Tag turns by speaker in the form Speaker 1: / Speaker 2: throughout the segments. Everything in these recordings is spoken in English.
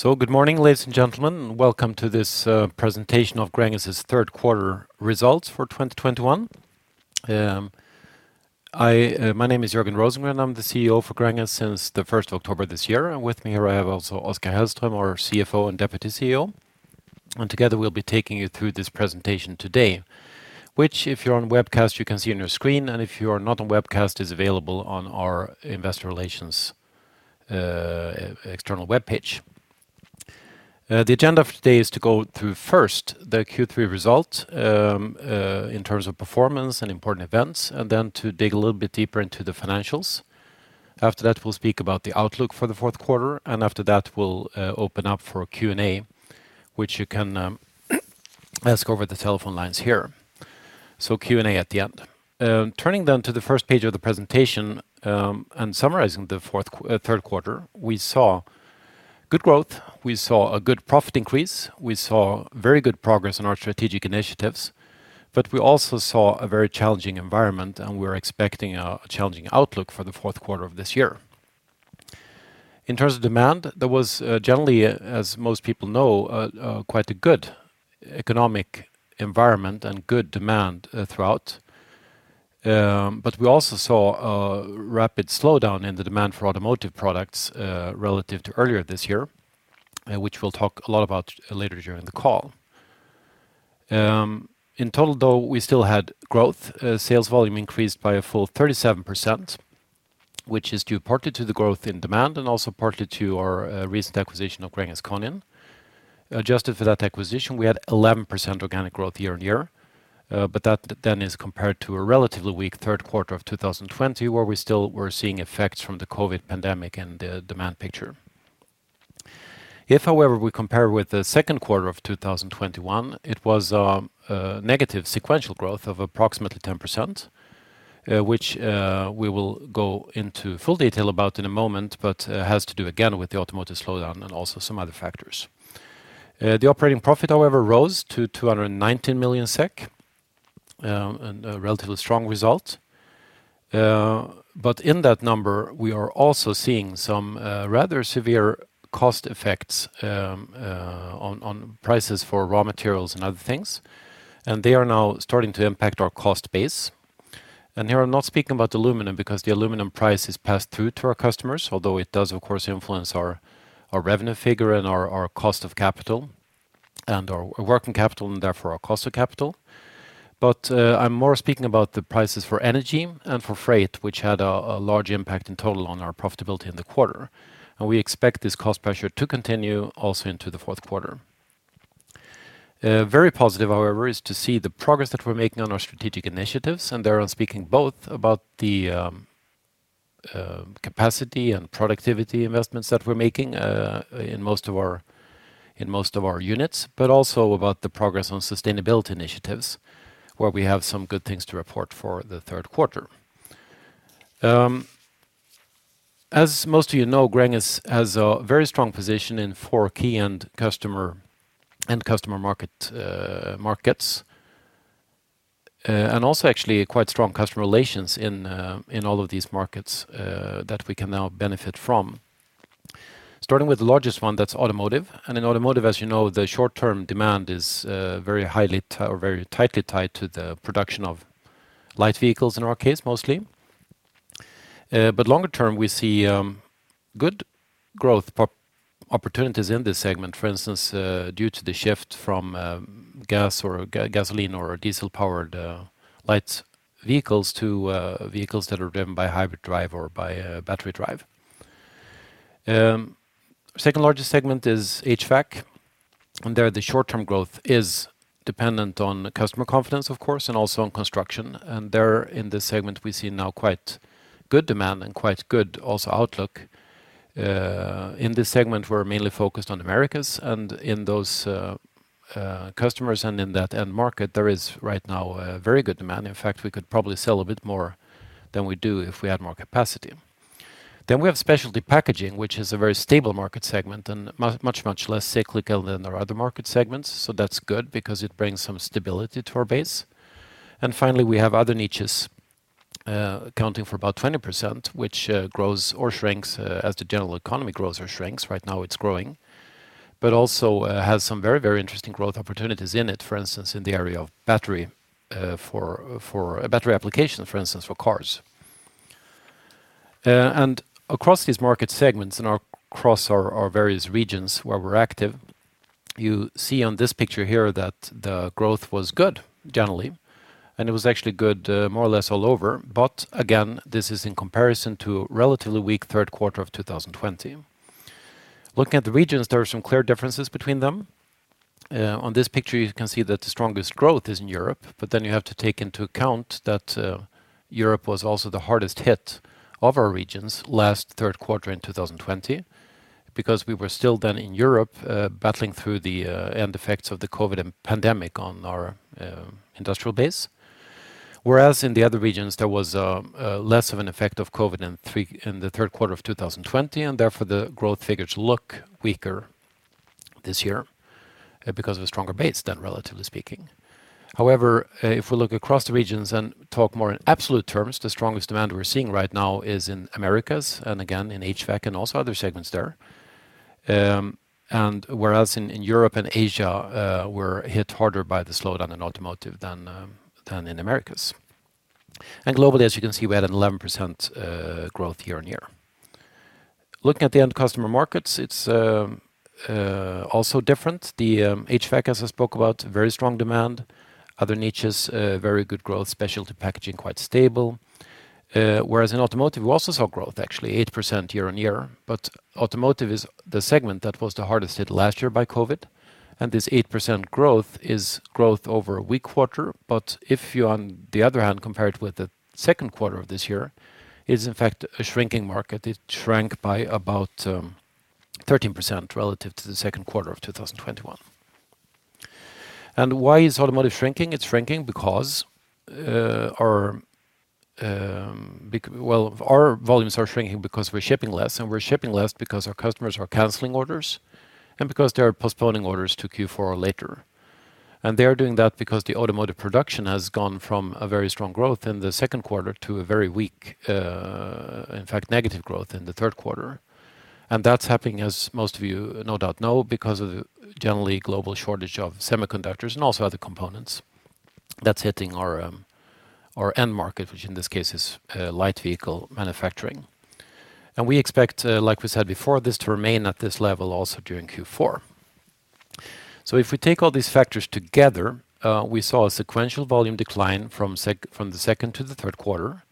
Speaker 1: Good morning, ladies and gentlemen. Welcome to this presentation of Gränges' 3rd quarter results for 2021. My name is Jörgen Rosengren. I'm the CEO for Gränges since the 1st of October this year. With me here, I have also Oskar Hellström, our CFO and deputy CEO, and together we'll be taking you through this presentation today, which if you're on webcast, you can see on your screen, and if you are not on webcast, is available on our investor relations external webpage. The agenda for today is to go through first the Q3 results in terms of performance and important events, then to dig a little bit deeper into the financials. After that, we'll speak about the outlook for the 4th quarter, after that we'll open up for a Q&A, which you can ask over the telephone lines here. Q&A at the end. Turning to the first page of the presentation, summarizing the third quarter, we saw good growth, we saw a good profit increase, we saw very good progress in our strategic initiatives, we also saw a very challenging environment, we're expecting a challenging outlook for the fourth quarter of this year. In terms of demand, there was generally, as most people know, quite a good economic environment and good demand throughout. We also saw a rapid slowdown in the demand for automotive products relative to earlier this year, which we'll talk a lot about later during the call. In total, though, we still had growth. Sales volume increased by a full 37%, which is due partly to the growth in demand and also partly to our recent acquisition of Gränges Konin. Adjusted for that acquisition, we had 11% organic growth year-on-year. That is compared to a relatively weak third quarter of 2020, where we still were seeing effects from the COVID pandemic and the demand picture. If, however, we compare with the second quarter of 2021, it was a negative sequential growth of approximately 10%, which we will go into full detail about in a moment, but has to do again with the automotive slowdown and also some other factors. The operating profit, however, rose to 219 million SEK, a relatively strong result. In that number, we are also seeing some rather severe cost effects on prices for raw materials and other things, and they are now starting to impact our cost base. Here I'm not speaking about aluminum, because the aluminum price is passed through to our customers, although it does of course influence our revenue figure and our cost of capital and our working capital and therefore our cost of capital. I'm more speaking about the prices for energy and for freight, which had a large impact in total on our profitability in the quarter. We expect this cost pressure to continue also into the fourth quarter. Very positive, however, is to see the progress that we're making on our strategic initiatives, and there I'm speaking both about the capacity and productivity investments that we're making in most of our units, but also about the progress on sustainability initiatives, where we have some good things to report for the third quarter. As most of you know, Gränges has a very strong position in four key end customer markets, and also actually quite strong customer relations in all of these markets that we can now benefit from. Starting with the largest one, that's automotive. In automotive, as you know, the short-term demand is very tightly tied to the production of light vehicles, in our case, mostly. Longer term, we see good growth opportunities in this segment. For instance, due to the shift from gasoline or diesel-powered light vehicles to vehicles that are driven by hybrid drive or by battery drive. Second largest segment is HVAC, and there, the short-term growth is dependent on customer confidence, of course, and also on construction. There, in this segment, we see now quite good demand and quite good also outlook. In this segment, we're mainly focused on Americas, and in those customers and in that end market, there is right now a very good demand. In fact, we could probably sell a bit more than we do if we had more capacity. We have specialty packaging, which is a very stable market segment and much less cyclical than our other market segments. That's good because it brings some stability to our base. Finally, we have other niches accounting for about 20%, which grows or shrinks as the general economy grows or shrinks. Right now it's growing. Also has some very interesting growth opportunities in it. For instance, in the area of battery applications, for instance, for cars. Across these market segments and across our various regions where we're active, you see on this picture here that the growth was good generally, and it was actually good more or less all over. Again, this is in comparison to a relatively weak third quarter of 2020. Looking at the regions, there are some clear differences between them. On this picture, you can see that the strongest growth is in Europe, but then you have to take into account that Europe was also the hardest hit of our regions last third quarter in 2020 because we were still then in Europe, battling through the end effects of the COVID pandemic on our industrial base. In the other regions, there was less of an effect of COVID in the third quarter of 2020. Therefore, the growth figures look weaker this year because of a stronger base than relatively speaking. If we look across the regions and talk more in absolute terms, the strongest demand we're seeing right now is in Americas and again in HVAC and also other segments there. Whereas in Europe and Asia, we're hit harder by the slowdown in automotive than in Americas. Globally, as you can see, we had an 11% growth year-over-year. Looking at the end customer markets, it's also different. The HVAC, as I spoke about, very strong demand. Other niches, very good growth, specialty packaging, quite stable. In automotive, we also saw growth actually, 8% year-over-year. Automotive is the segment that was the hardest hit last year by COVID, and this 8% growth is growth over a weak quarter. If you, on the other hand, compare it with the second quarter of this year, is in fact a shrinking market. It shrank by about 13% relative to the second quarter of 2021. Why is automotive shrinking? It's shrinking because our volumes are shrinking because we're shipping less, and we're shipping less because our customers are canceling orders and because they are postponing orders to Q4 or later. They are doing that because the automotive production has gone from a very strong growth in the second quarter to a very weak, in fact, negative growth in the third quarter. That's happening as most of you no doubt know, because of the generally global shortage of semiconductors and also other components that's hitting our end market, which in this case is light vehicle manufacturing. We expect, like we said before, this to remain at this level also during Q4. If we take all these factors together, we saw a sequential volume decline from the 2nd to the 3rd quarter,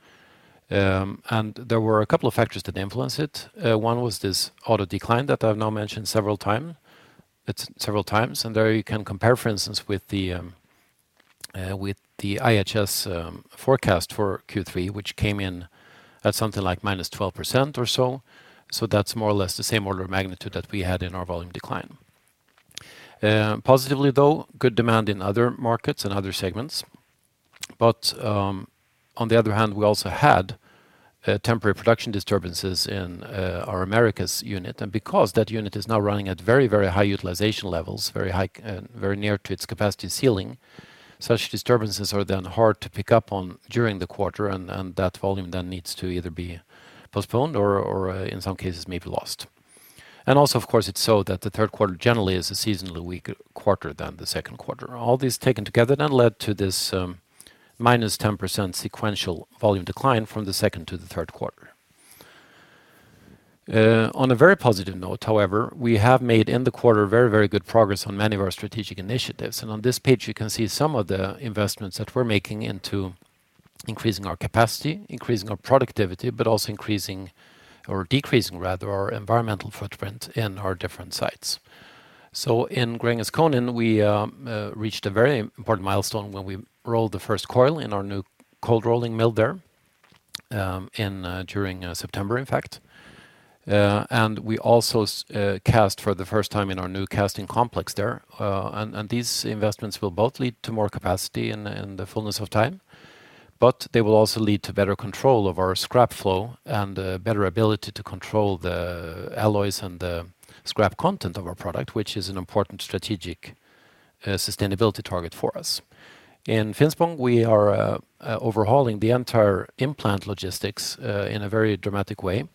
Speaker 1: there were a couple of factors that influenced it. One was this auto decline that I've now mentioned several times, there you can compare, for instance, with the IHS forecast for Q3, which came in at something like -12% or so. That's more or less the same order of magnitude that we had in our volume decline. Positively though, good demand in other markets and other segments. On the other hand, we also had temporary production disturbances in our Americas unit. Because that unit is now running at very high utilization levels, very near to its capacity ceiling, such disturbances are then hard to pick up on during the quarter, and that volume then needs to either be postponed or in some cases may be lost. Also, of course, it's so that the third quarter generally is a seasonally weaker quarter than the second quarter. All these taken together then led to this -10% sequential volume decline from the second to the third quarter. On a very positive note, however, we have made in the quarter very good progress on many of our strategic initiatives. On this page, you can see some of the investments that we're making into increasing our capacity, increasing our productivity, but also increasing or decreasing rather, our environmental footprint in our different sites. In Gränges Konin, we reached a very important milestone when we rolled the first coil in our new cold rolling mill there during September in fact. We also cast for the first time in our new casting complex there. These investments will both lead to more capacity in the fullness of time, but they will also lead to better control of our scrap flow and a better ability to control the alloys and the scrap content of our product, which is an important strategic sustainability target for us. In Finspång, we are overhauling the entire in-plant logistics, in a very dramatic way.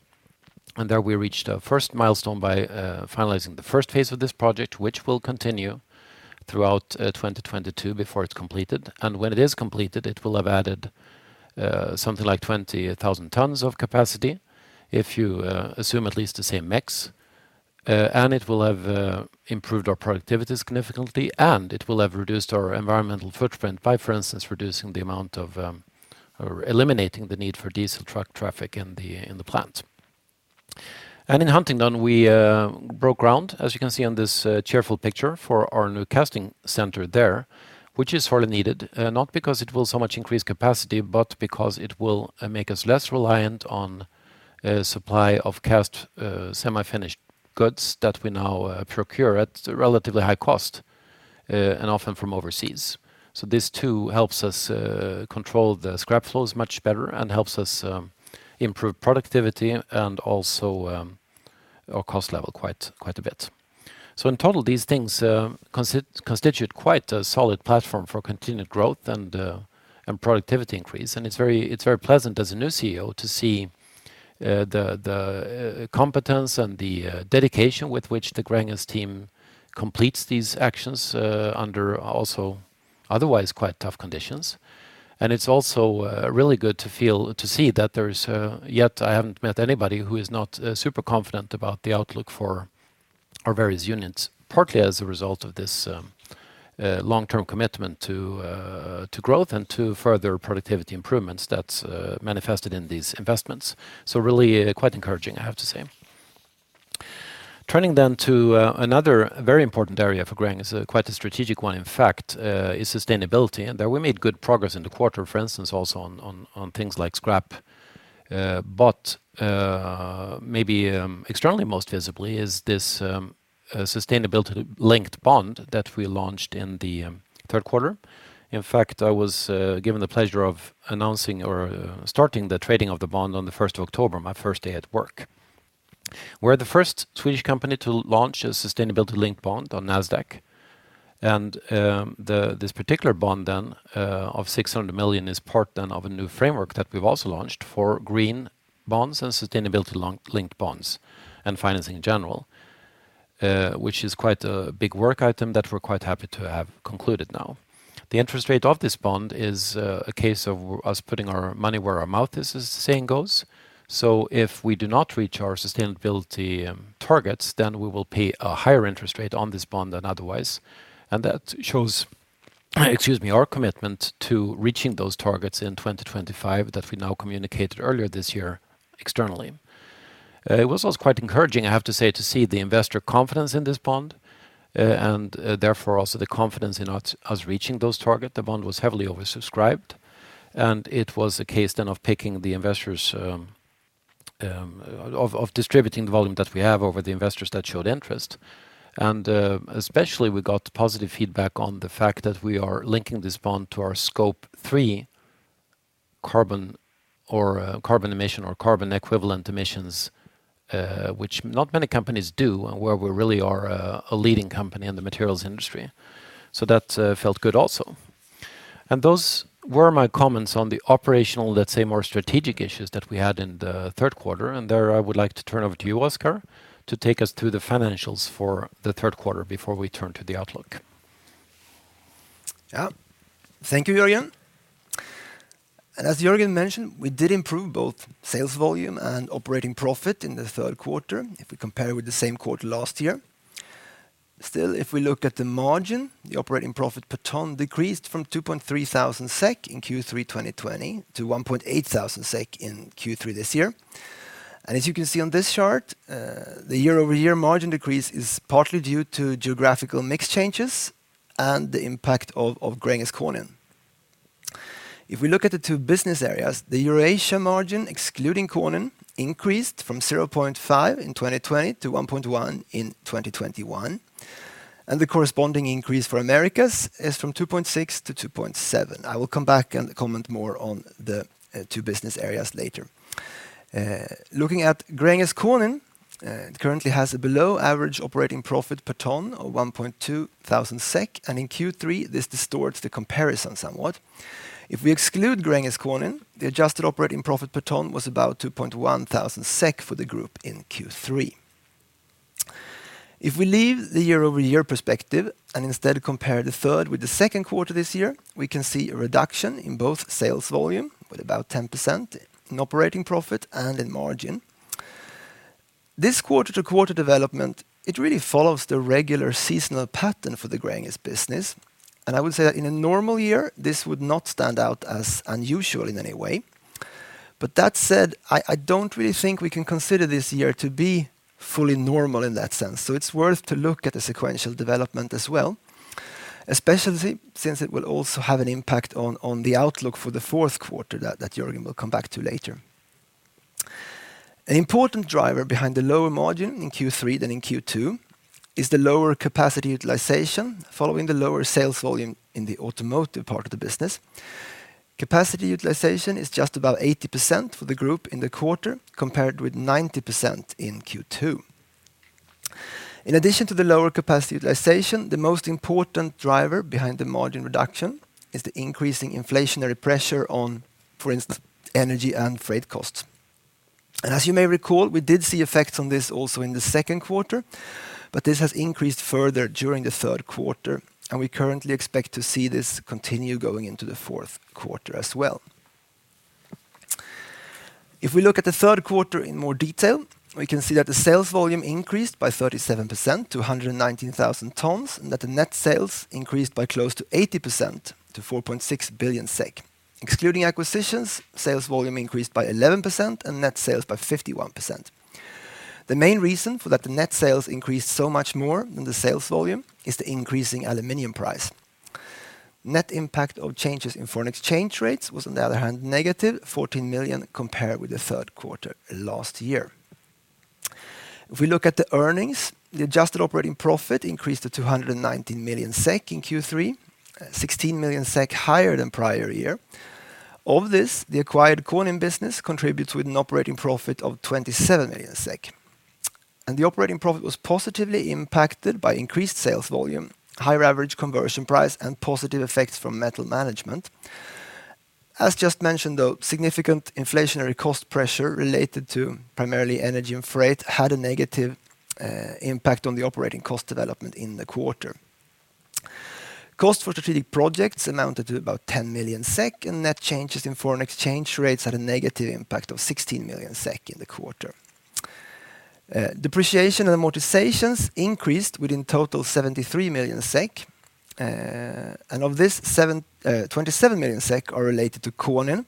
Speaker 1: There we reached a first milestone by finalizing the first phase of this project, which will continue throughout 2022 before it's completed. When it is completed, it will have added something like 20,000 tons of capacity if you assume at least the same mix. It will have improved our productivity significantly, and it will have reduced our environmental footprint by, for instance, reducing the amount of, or eliminating the need for diesel truck traffic in the plant. In Huntingdon, we broke ground, as you can see on this cheerful picture for our new casting center there, which is sorely needed, not because it will so much increase capacity, but because it will make us less reliant on supply of cast semi-finished goods that we now procure at a relatively high cost, and often from overseas. This too helps us control the scrap flows much better and helps us improve productivity and also our cost level quite a bit. In total, these things constitute quite a solid platform for continued growth and productivity increase, and it's very pleasant as a new CEO to see the competence and the dedication with which the Gränges team completes these actions under also otherwise quite tough conditions. It's also really good to see that there is yet I haven't met anybody who is not super confident about the outlook for our various units, partly as a result of this long-term commitment to growth and to further productivity improvements that's manifested in these investments. Really quite encouraging, I have to say. Turning to another very important area for Gränges, quite a strategic one, in fact, is sustainability, and there we made good progress in the quarter, for instance, also on things like scrap. Maybe externally most visibly is this sustainability-linked bond that we launched in the third quarter. I was given the pleasure of announcing or starting the trading of the bond on the 1st of October, my first day at work. We're the first Swedish company to launch a sustainability-linked bond on Nasdaq. This particular bond then of 600 million is part then of a new framework that we've also launched for green bonds and sustainability-linked bonds and financing in general, which is quite a big work item that we're quite happy to have concluded now. The interest rate of this bond is a case of us putting our money where our mouth is, as the saying goes. If we do not reach our sustainability targets, then we will pay a higher interest rate on this bond than otherwise. That shows our commitment to reaching those targets in 2025 that we now communicated earlier this year externally. It was also quite encouraging, I have to say, to see the investor confidence in this bond, and therefore also the confidence in us reaching those targets. The bond was heavily oversubscribed. It was a case then of distributing the volume that we have over the investors that showed interest. Especially we got positive feedback on the fact that we are linking this bond to our Scope 3 carbon emission or carbon equivalent emissions, which not many companies do, and where we really are a leading company in the materials industry. That felt good also. Those were my comments on the operational, let's say, more strategic issues that we had in the third quarter. There I would like to turn over to you, Oskar, to take us through the financials for the third quarter before we turn to the outlook.
Speaker 2: Yeah. Thank you, Jörgen. As Jörgen mentioned, we did improve both sales volume and operating profit in the third quarter if we compare with the same quarter last year. Still, if we look at the margin, the operating profit per ton decreased from 2,300 SEK in Q3 2020 to 1,800 SEK in Q3 this year. As you can see on this chart, the year-over-year margin decrease is partly due to geographical mix changes and the impact of Gränges Konin. If we look at the two business areas, the Eurasia margin, excluding Konin, increased from 0.5 in 2020 to 1.1 in 2021, and the corresponding increase for Americas is from 2.6 to 2.7. I will come back and comment more on the two business areas later. Looking at Gränges Konin, it currently has a below average operating profit per ton of 1,200 SEK. In Q3, this distorts the comparison somewhat. If we exclude Gränges Konin, the adjusted operating profit per ton was about 2,100 SEK for the group in Q3. If we leave the year-over-year perspective and instead compare the third with the second quarter this year, we can see a reduction in both sales volume with about 10% in operating profit and in margin. This quarter-to-quarter development, it really follows the regular seasonal pattern for the Gränges business. I would say that in a normal year, this would not stand out as unusual in any way. That said, I don't really think we can consider this year to be fully normal in that sense, so it's worth to look at the sequential development as well, especially since it will also have an impact on the outlook for the fourth quarter that Jörgen will come back to later. An important driver behind the lower margin in Q3 than in Q2 is the lower capacity utilization following the lower sales volume in the automotive part of the business. Capacity utilization is just about 80% for the group in the quarter, compared with 90% in Q2. In addition to the lower capacity utilization, the most important driver behind the margin reduction is the increasing inflationary pressure on, for instance, energy and freight costs. As you may recall, we did see effects on this also in the second quarter, but this has increased further during the third quarter, and we currently expect to see this continue going into the fourth quarter as well. If we look at the third quarter in more detail, we can see that the sales volume increased by 37% to 119,000 tons, and that the net sales increased by close to 80% to 4.6 billion SEK. Excluding acquisitions, sales volume increased by 11% and net sales by 51%. The main reason for that, the net sales increased so much more than the sales volume is the increasing aluminum price. Net impact of changes in foreign exchange rates was, on the other hand, -14 million compared with the third quarter last year. If we look at the earnings, the adjusted operating profit increased to 219 million SEK in Q3, 16 million SEK higher than prior year. Of this, the acquired Konin business contributes with an operating profit of 27 million SEK. The operating profit was positively impacted by increased sales volume, higher average conversion price, and positive effects from metal management. As just mentioned, though, significant inflationary cost pressure related to primarily energy and freight had a negative impact on the operating cost development in the quarter. Cost for strategic projects amounted to about 10 million SEK, and net changes in foreign exchange rates had a negative impact of 16 million SEK in the quarter. Depreciation and amortizations increased with, in total, 73 million SEK, and of this, 27 million SEK are related to Konin.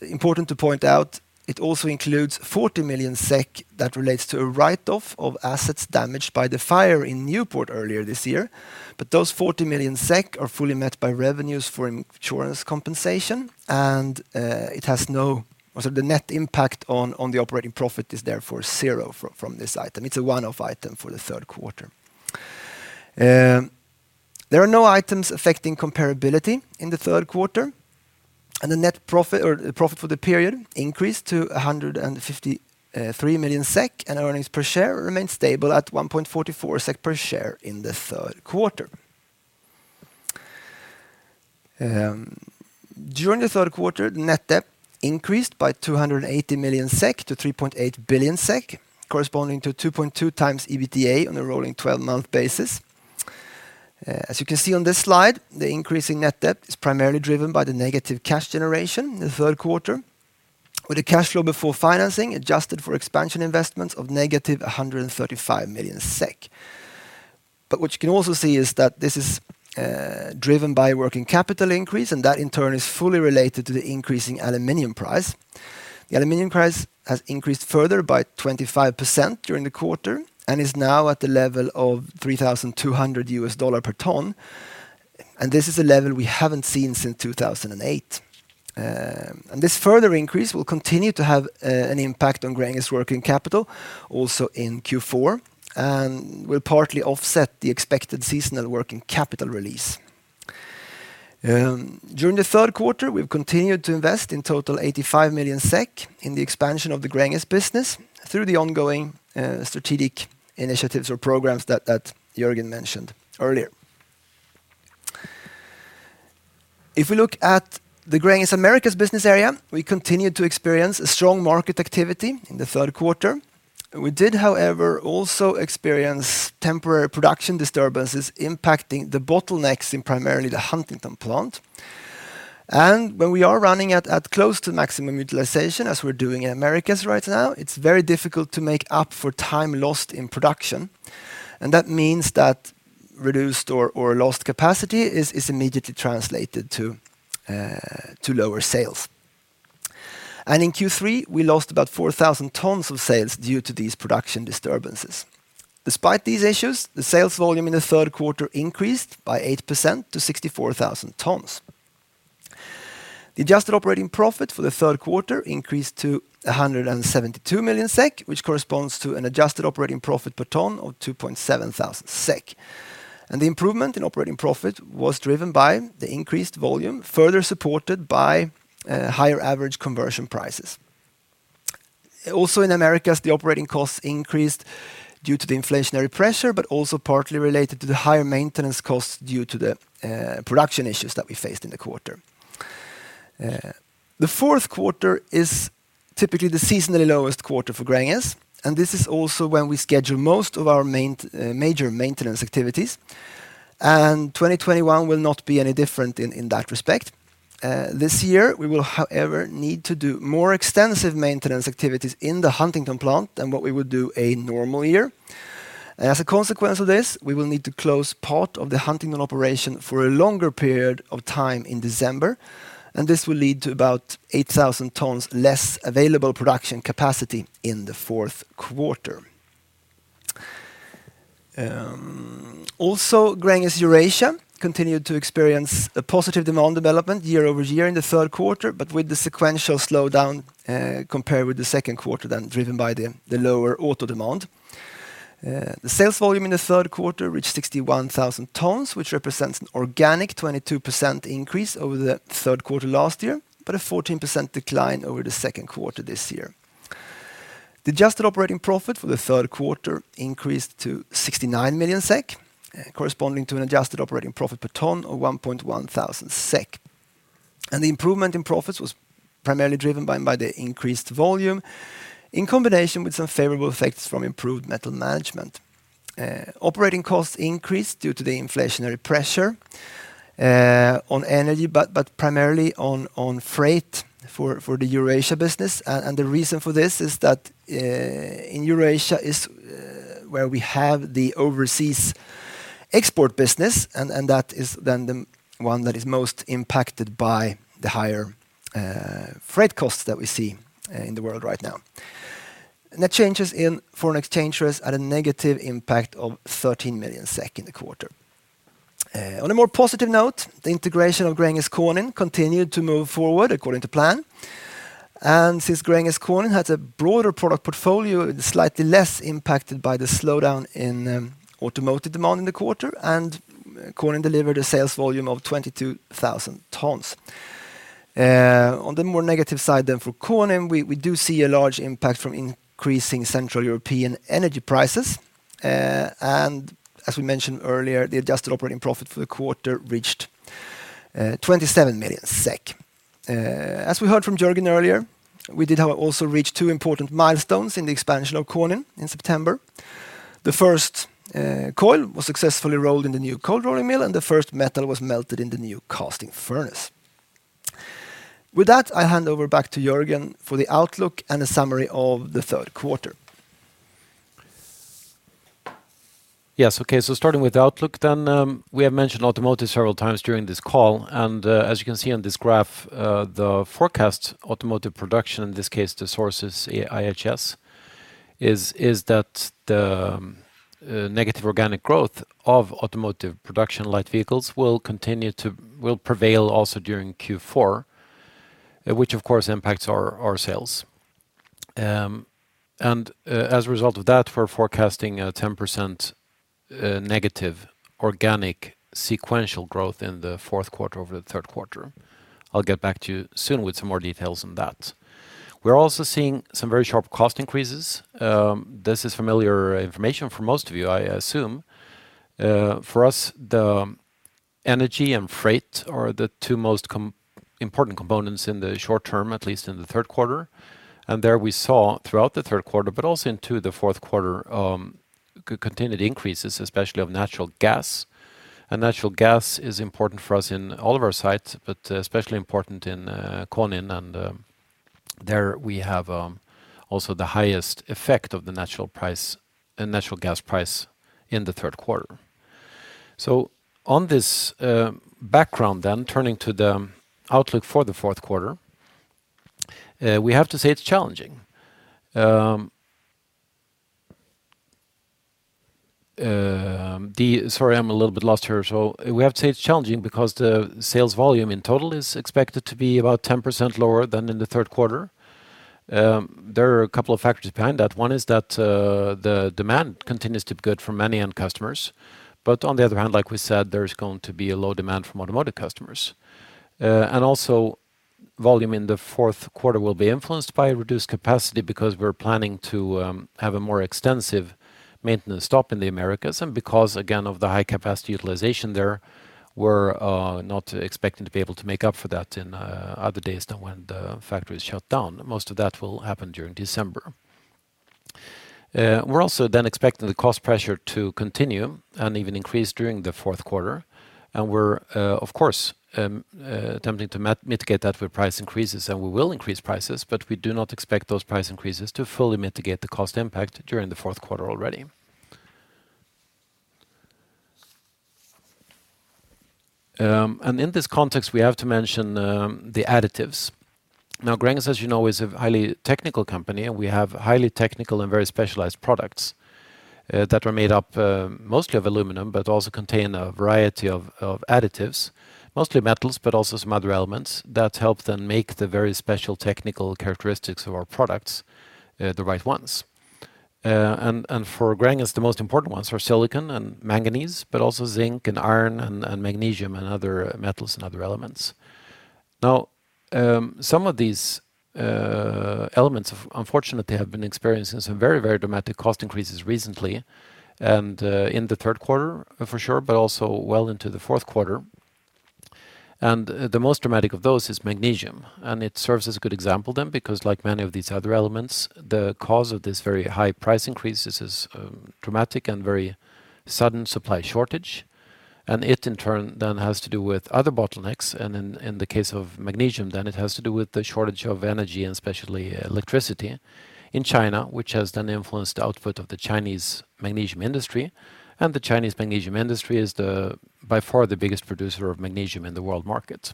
Speaker 2: Important to point out, it also includes 40 million SEK that relates to a write-off of assets damaged by the fire in Newport earlier this year. Those 40 million SEK are fully met by revenues for insurance compensation, and the net impact on the operating profit is therefore zero from this item. It's a one-off item for the third quarter. There are no items affecting comparability in the third quarter, and the profit for the period increased to 153 million SEK, and earnings per share remained stable at 1.44 SEK per share in the third quarter. During the third quarter, net debt increased by 280 million SEK to 3.8 billion SEK, corresponding to 2.2x EBITDA on a rolling 12-month basis. As you can see on this slide, the increase in net debt is primarily driven by the negative cash generation in the third quarter, with a cash flow before financing adjusted for expansion investments of -135 million SEK. What you can also see is that this is driven by working capital increase, and that in turn is fully related to the increase in aluminum price. The aluminum price has increased further by 25% during the quarter and is now at the level of $3,200 US per ton, this is a level we haven't seen since 2008. This further increase will continue to have an impact on Gränges working capital also in Q4 and will partly offset the expected seasonal working capital release. During the third quarter, we've continued to invest in total 85 million SEK in the expansion of the Gränges business through the ongoing strategic initiatives or programs that Jörgen mentioned earlier. If we look at the Gränges Americas business area, we continued to experience a strong market activity in the third quarter. We did, however, also experience temporary production disturbances impacting the bottlenecks in primarily the Huntingdon plant. When we are running at close to maximum utilization, as we're doing in Americas right now, it's very difficult to make up for time lost in production. That means that reduced or lost capacity is immediately translated to lower sales. In Q3, we lost about 4,000 tons of sales due to these production disturbances. Despite these issues, the sales volume in the third quarter increased by 8% to 64,000 tons. The adjusted operating profit for the 3rd quarter increased to 172 million SEK, which corresponds to an adjusted operating profit per ton of 2,700 SEK. The improvement in operating profit was driven by the increased volume, further supported by higher average conversion prices. Also, in Americas, the operating costs increased due to the inflationary pressure, but also partly related to the higher maintenance costs due to the production issues that we faced in the quarter. The 4th quarter is typically the seasonally lowest quarter for Gränges, and this is also when we schedule most of our major maintenance activities, and 2021 will not be any different in that respect. This year, we will, however, need to do more extensive maintenance activities in the Huntingdon plant than what we would do a normal year. As a consequence of this, we will need to close part of the Huntingdon operation for a longer period of time in December, and this will lead to about 8,000 tons less available production capacity in the fourth quarter. Also, Gränges Eurasia continued to experience a positive demand development year-over-year in the third quarter, but with the sequential slowdown compared with the second quarter then driven by the lower auto demand. The sales volume in the third quarter reached 61,000 tons, which represents an organic 22% increase over the third quarter last year, but a 14% decline over the second quarter this year. The adjusted operating profit for the third quarter increased to 69 million SEK, corresponding to an adjusted operating profit per ton of 1,100 SEK. The improvement in profits was primarily driven by the increased volume in combination with some favorable effects from improved metal management. Operating costs increased due to the inflationary pressure on energy, but primarily on freight for the Eurasia business. The reason for this is that in Eurasia is where we have the overseas export business, and that is then the one that is most impacted by the higher freight costs that we see in the world right now. Net changes in foreign exchange rates at a negative impact of 13 million SEK in the quarter. On a more positive note, the integration of Gränges Konin continued to move forward according to plan. Since Gränges Konin has a broader product portfolio, it is slightly less impacted by the slowdown in automotive demand in the quarter, and Konin delivered a sales volume of 22,000 tons. On the more negative side for Konin, we do see a large impact from increasing Central European energy prices. As we mentioned earlier, the adjusted operating profit for the quarter reached 27 million SEK. As we heard from Jörgen earlier, we did, however, also reach two important milestones in the expansion of Konin in September. The first coil was successfully rolled in the new cold rolling mill, and the first metal was melted in the new casting furnace. With that, I hand over back to Jörgen for the outlook and a summary of the third quarter.
Speaker 1: Yes. Okay, starting with outlook. We have mentioned automotive several times during this call, and as you can see on this graph, the forecast automotive production, in this case, the source is IHS, is that the negative organic growth of automotive production light vehicles will prevail also during Q4, which of course impacts our sales. As a result of that, we're forecasting a 10% negative organic sequential growth in the fourth quarter over the third quarter. I'll get back to you soon with some more details on that. We're also seeing some very sharp cost increases. This is familiar information for most of you, I assume. For us, the energy and freight are the two most important components in the short term, at least in the third quarter. There we saw throughout the third quarter, but also into the fourth quarter, continued increases, especially of natural gas. Natural gas is important for us in all of our sites, but especially important in Konin, and there we have also the highest effect of the natural gas price in the third quarter. On this background, turning to the outlook for the fourth quarter, we have to say it's challenging. Sorry, I'm a little bit lost here. We have to say it's challenging because the sales volume in total is expected to be about 10% lower than in the third quarter. There are a couple of factors behind that. One is that the demand continues to be good for many end customers. On the other hand, like we said, there's going to be a low demand from automotive customers. Also volume in the fourth quarter will be influenced by reduced capacity because we're planning to have a more extensive maintenance stop in the Americas. Because, again, of the high capacity utilization there, we're not expecting to be able to make up for that in other days than when the factory is shut down. Most of that will happen during December. We're also expecting the cost pressure to continue and even increase during the fourth quarter. We're, of course, attempting to mitigate that with price increases, and we will increase prices, but we do not expect those price increases to fully mitigate the cost impact during the fourth quarter already. In this context, we have to mention the additives. Gränges, as you know, is a highly technical company, and we have highly technical and very specialized products that are made up mostly of aluminum, but also contain a variety of additives, mostly metals, but also some other elements that help then make the very special technical characteristics of our products the right ones. For Gränges, the most important ones are silicon and manganese, but also zinc and iron and magnesium and other metals and other elements. Some of these elements, unfortunately, have been experiencing some very, very dramatic cost increases recently, and in the third quarter for sure, but also well into the fourth quarter. The most dramatic of those is magnesium, and it serves as a good example then because like many of these other elements, the cause of this very high price increases is dramatic and very sudden supply shortage. It, in turn, then has to do with other bottlenecks, and in the case of magnesium then, it has to do with the shortage of energy, and especially electricity in China, which has then influenced output of the Chinese magnesium industry. The Chinese magnesium industry is by far the biggest producer of magnesium in the world market.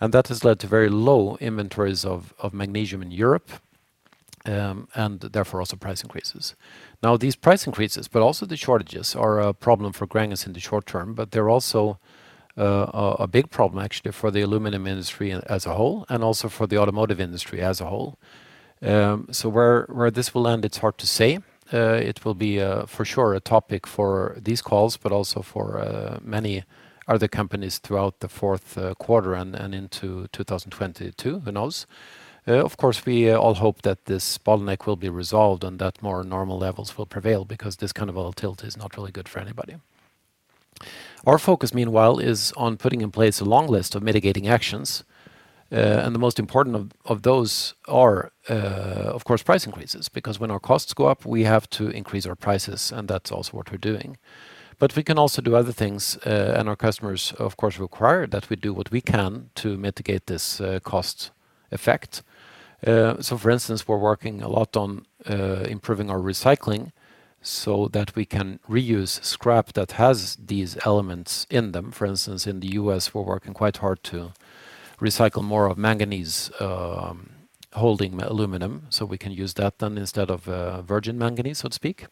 Speaker 1: That has led to very low inventories of magnesium in Europe, and therefore also price increases. Now these price increases, but also the shortages, are a problem for Gränges in the short term, but they're also a big problem actually for the aluminum industry as a whole and also for the automotive industry as a whole. Where this will end, it's hard to say. It will be, for sure, a topic for these calls, but also for many other companies throughout the fourth quarter and into 2022, who knows? Of course, we all hope that this bottleneck will be resolved and that more normal levels will prevail because this kind of volatility is not really good for anybody. Our focus, meanwhile, is on putting in place a long list of mitigating actions. The most important of those are, of course, price increases, because when our costs go up, we have to increase our prices, and that's also what we're doing. We can also do other things, and our customers, of course, require that we do what we can to mitigate this cost effect. For instance, we're working a lot on improving our recycling so that we can reuse scrap that has these elements in them. For instance, in the U.S., we're working quite hard to recycle more of manganese-holding aluminum, so we can use that then instead of virgin manganese, so to speak.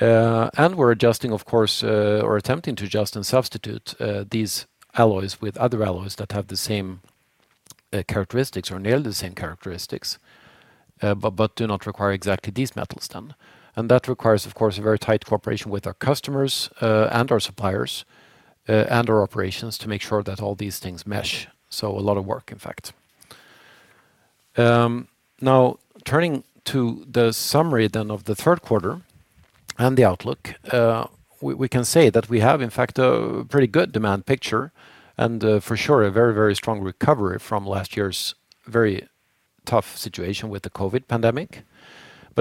Speaker 1: We're adjusting, of course, or attempting to adjust and substitute these alloys with other alloys that have the same characteristics or nearly the same characteristics, but do not require exactly these metals then. That requires, of course, a very tight cooperation with our customers and our suppliers and our operations to make sure that all these things mesh. A lot of work, in fact. Turning to the summary of the third quarter and the outlook, we can say that we have, in fact, a pretty good demand picture, and for sure, a very, very strong recovery from last year's very tough situation with the COVID pandemic.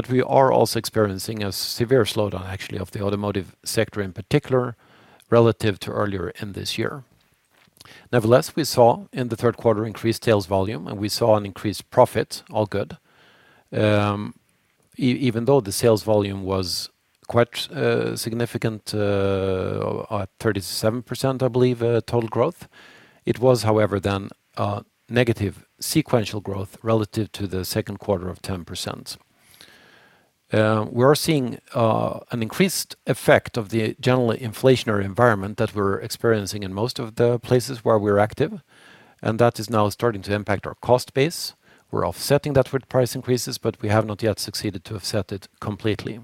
Speaker 1: We are also experiencing a severe slowdown, actually, of the automotive sector in particular, relative to earlier in this year. Nevertheless, we saw in the third quarter increased sales volume, and we saw an increased profit, all good. Even though the sales volume was quite significant, at 37%, I believe, total growth. It was, however, then a negative sequential growth relative to the second quarter of 10%. We are seeing an increased effect of the general inflationary environment that we're experiencing in most of the places where we're active, and that is now starting to impact our cost base. We're offsetting that with price increases, but we have not yet succeeded to offset it completely.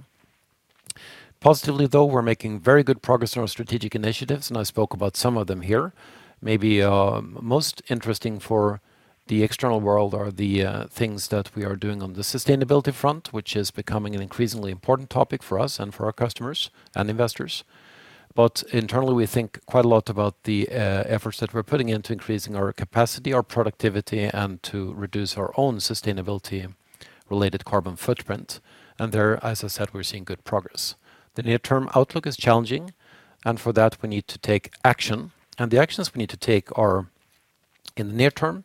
Speaker 1: Positively though, we're making very good progress on our strategic initiatives, and I spoke about some of them here. Maybe most interesting for the external world are the things that we are doing on the sustainability front, which is becoming an increasingly important topic for us and for our customers, and investors. Internally, we think quite a lot about the efforts that we're putting in to increasing our capacity, our productivity, and to reduce our own sustainability-related carbon footprint. There, as I said, we're seeing good progress. The near-term outlook is challenging, for that, we need to take action. The actions we need to take are, in the near term,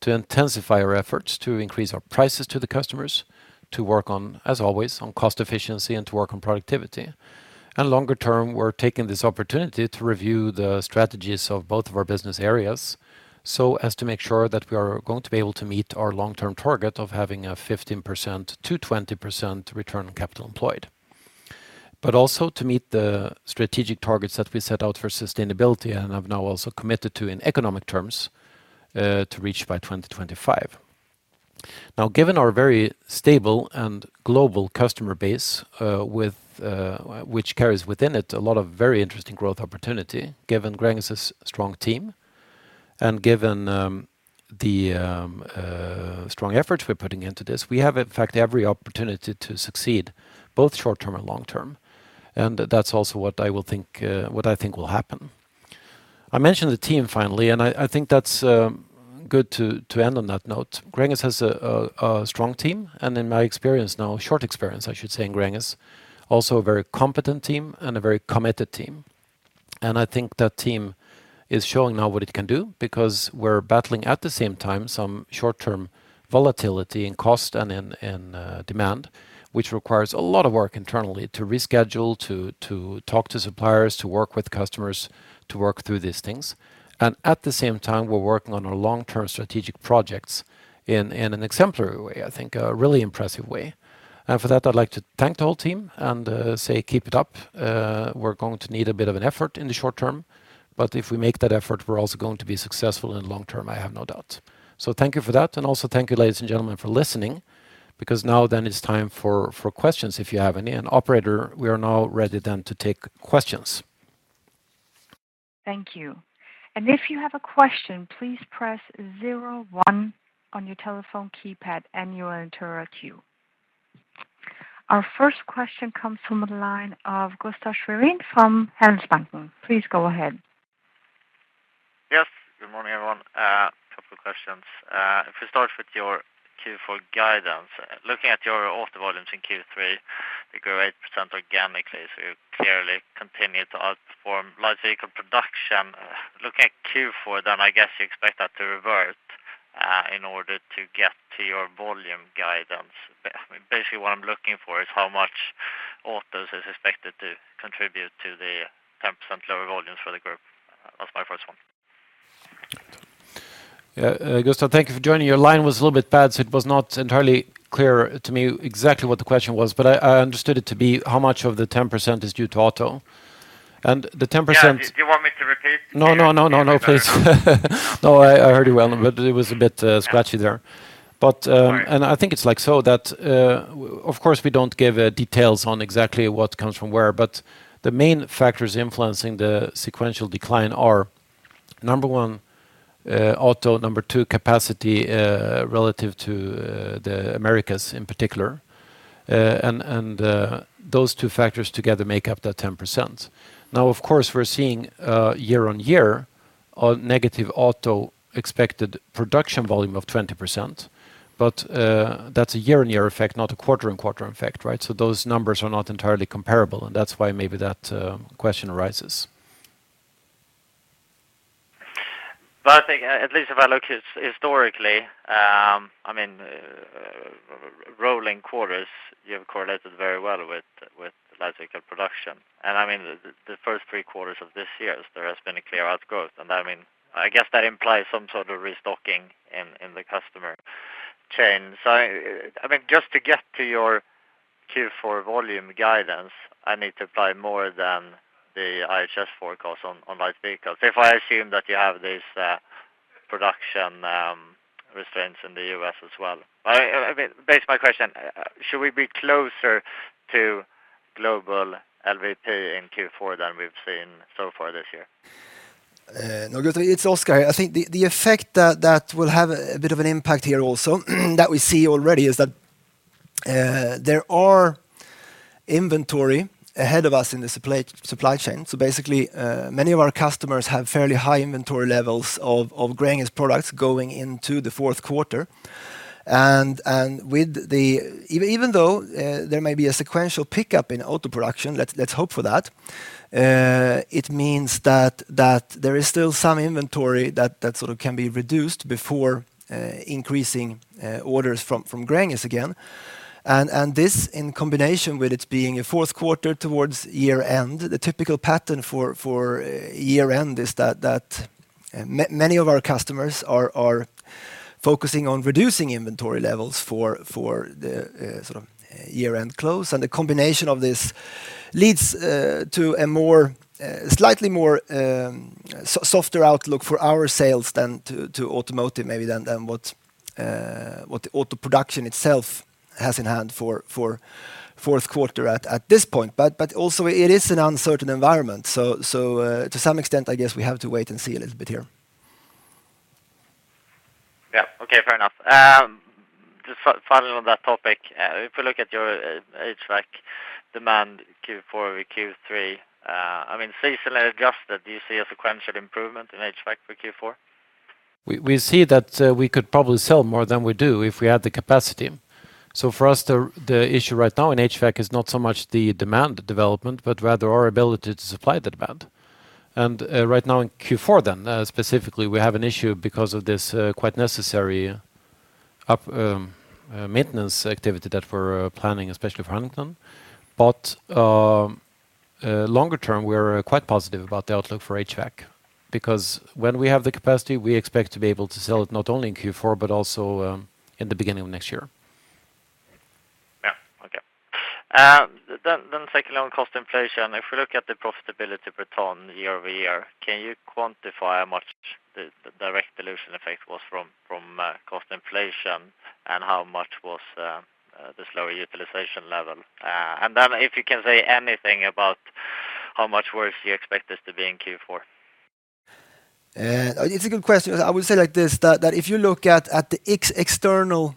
Speaker 1: to intensify our efforts to increase our prices to the customers, to work on, as always, on cost efficiency and to work on productivity. Longer term, we're taking this opportunity to review the strategies of both of our business areas so as to make sure that we are going to be able to meet our long-term target of having a 15%-20% return on capital employed. Also to meet the strategic targets that we set out for sustainability, and have now also committed to in economic terms, to reach by 2025. Given our very stable and global customer base, which carries within it a lot of very interesting growth opportunity, given Gränges' strong team, and given the strong efforts we're putting into this, we have, in fact, every opportunity to succeed, both short term and long term. That's also what I think will happen. I mentioned the team finally, and I think that's good to end on that note. Gränges has a strong team, and in my experience now, short experience I should say, in Gränges, also a very competent team and a very committed team. I think that team is showing now what it can do, because we're battling at the same time some short-term volatility in cost and in demand, which requires a lot of work internally to reschedule, to talk to suppliers, to work with customers, to work through these things. At the same time, we're working on our long-term strategic projects in an exemplary way, I think, a really impressive way. For that, I'd like to thank the whole team and say keep it up. We're going to need a bit of an effort in the short term, but if we make that effort, we're also going to be successful in the long term, I have no doubt. Thank you for that, and also thank you, ladies and gentlemen, for listening, because now then it's time for questions if you have any. Operator, we are now ready then to take questions.
Speaker 3: Thank you. If you have a question, please press 01 on your telephone keypad and you will enter a queue. Our first question comes from the line of Gustaf Schwerin from Handelsbanken. Please go ahead.
Speaker 4: Yes, good morning, everyone. A couple of questions. We start with your Q4 guidance. Looking at your auto volumes in Q3, you grew 8% organically, you clearly continued to outperform light vehicle production. Looking at Q4, I guess you expect that to revert in order to get to your volume guidance. What I'm looking for is how much autos is expected to contribute to the 10% lower volumes for the group. That was my first one.
Speaker 1: Gustaf, thank you for joining. Your line was a little bit bad, so it was not entirely clear to me exactly what the question was, but I understood it to be how much of the 10% is due to auto. I think it's like so that, of course, we don't give details on exactly what comes from where, but the main factors influencing the sequential decline are, number one, auto, number two, capacity relative to the Gränges Americas in particular. Those two factors together make up that 10%. Now, of course, we're seeing year-over-year a negative auto expected production volume of 20%, but that's a year-over-year effect, not a quarter-over-quarter effect. Those numbers are not entirely comparable, and that's why maybe that question arises.
Speaker 4: I think, at least if I look historically, rolling quarters, you have correlated very well with light vehicle production. The first three quarters of this year, there has been a clear outgrowth. I guess that implies some sort of restocking in the customer chain. Just to get to your Q4 volume guidance, I need to apply more than the IHS forecast on light vehicles, if I assume that you have these production restraints in the U.S. as well. Basically, my question, should we be closer to global LVP in Q4 than we've seen so far this year?
Speaker 2: No, Gustaf, it's Oskar here. I think the effect that will have a bit of an impact here also that we see already is that there are inventory ahead of us in the supply chain. Basically, many of our customers have fairly high inventory levels of Gränges products going into the fourth quarter. Even though there may be a sequential pickup in auto production, let's hope for that, it means that there is still some inventory that can be reduced before increasing orders from Gränges again. This, in combination with it being a fourth quarter towards year-end, the typical pattern for year-end is that Many of our customers are focusing on reducing inventory levels for the year-end close. The combination of this leads to a slightly softer outlook for our sales than to automotive, maybe than what the auto production itself has in hand for fourth quarter at this point. Also, it is an uncertain environment. To some extent, I guess we have to wait and see a little bit here.
Speaker 4: Yeah. Okay, fair enough. Just following on that topic, if we look at your HVAC demand Q4 over Q3, seasonally adjusted, do you see a sequential improvement in HVAC for Q4?
Speaker 1: We see that we could probably sell more than we do if we had the capacity. For us, the issue right now in HVAC is not so much the demand development, but rather our ability to supply the demand. Right now in Q4, specifically, we have an issue because of this quite necessary maintenance activity that we're planning, especially for Huntingdon. Longer term, we're quite positive about the outlook for HVAC, because when we have the capacity, we expect to be able to sell it not only in Q4, but also in the beginning of next year.
Speaker 4: Yeah. Okay. Secondly, on cost inflation, if we look at the profitability per ton year-over-year, can you quantify how much the direct dilution effect was from cost inflation and how much was the slower utilization level? If you can say anything about how much worse you expect this to be in Q4.
Speaker 2: It's a good question. I would say like this, that if you look at the external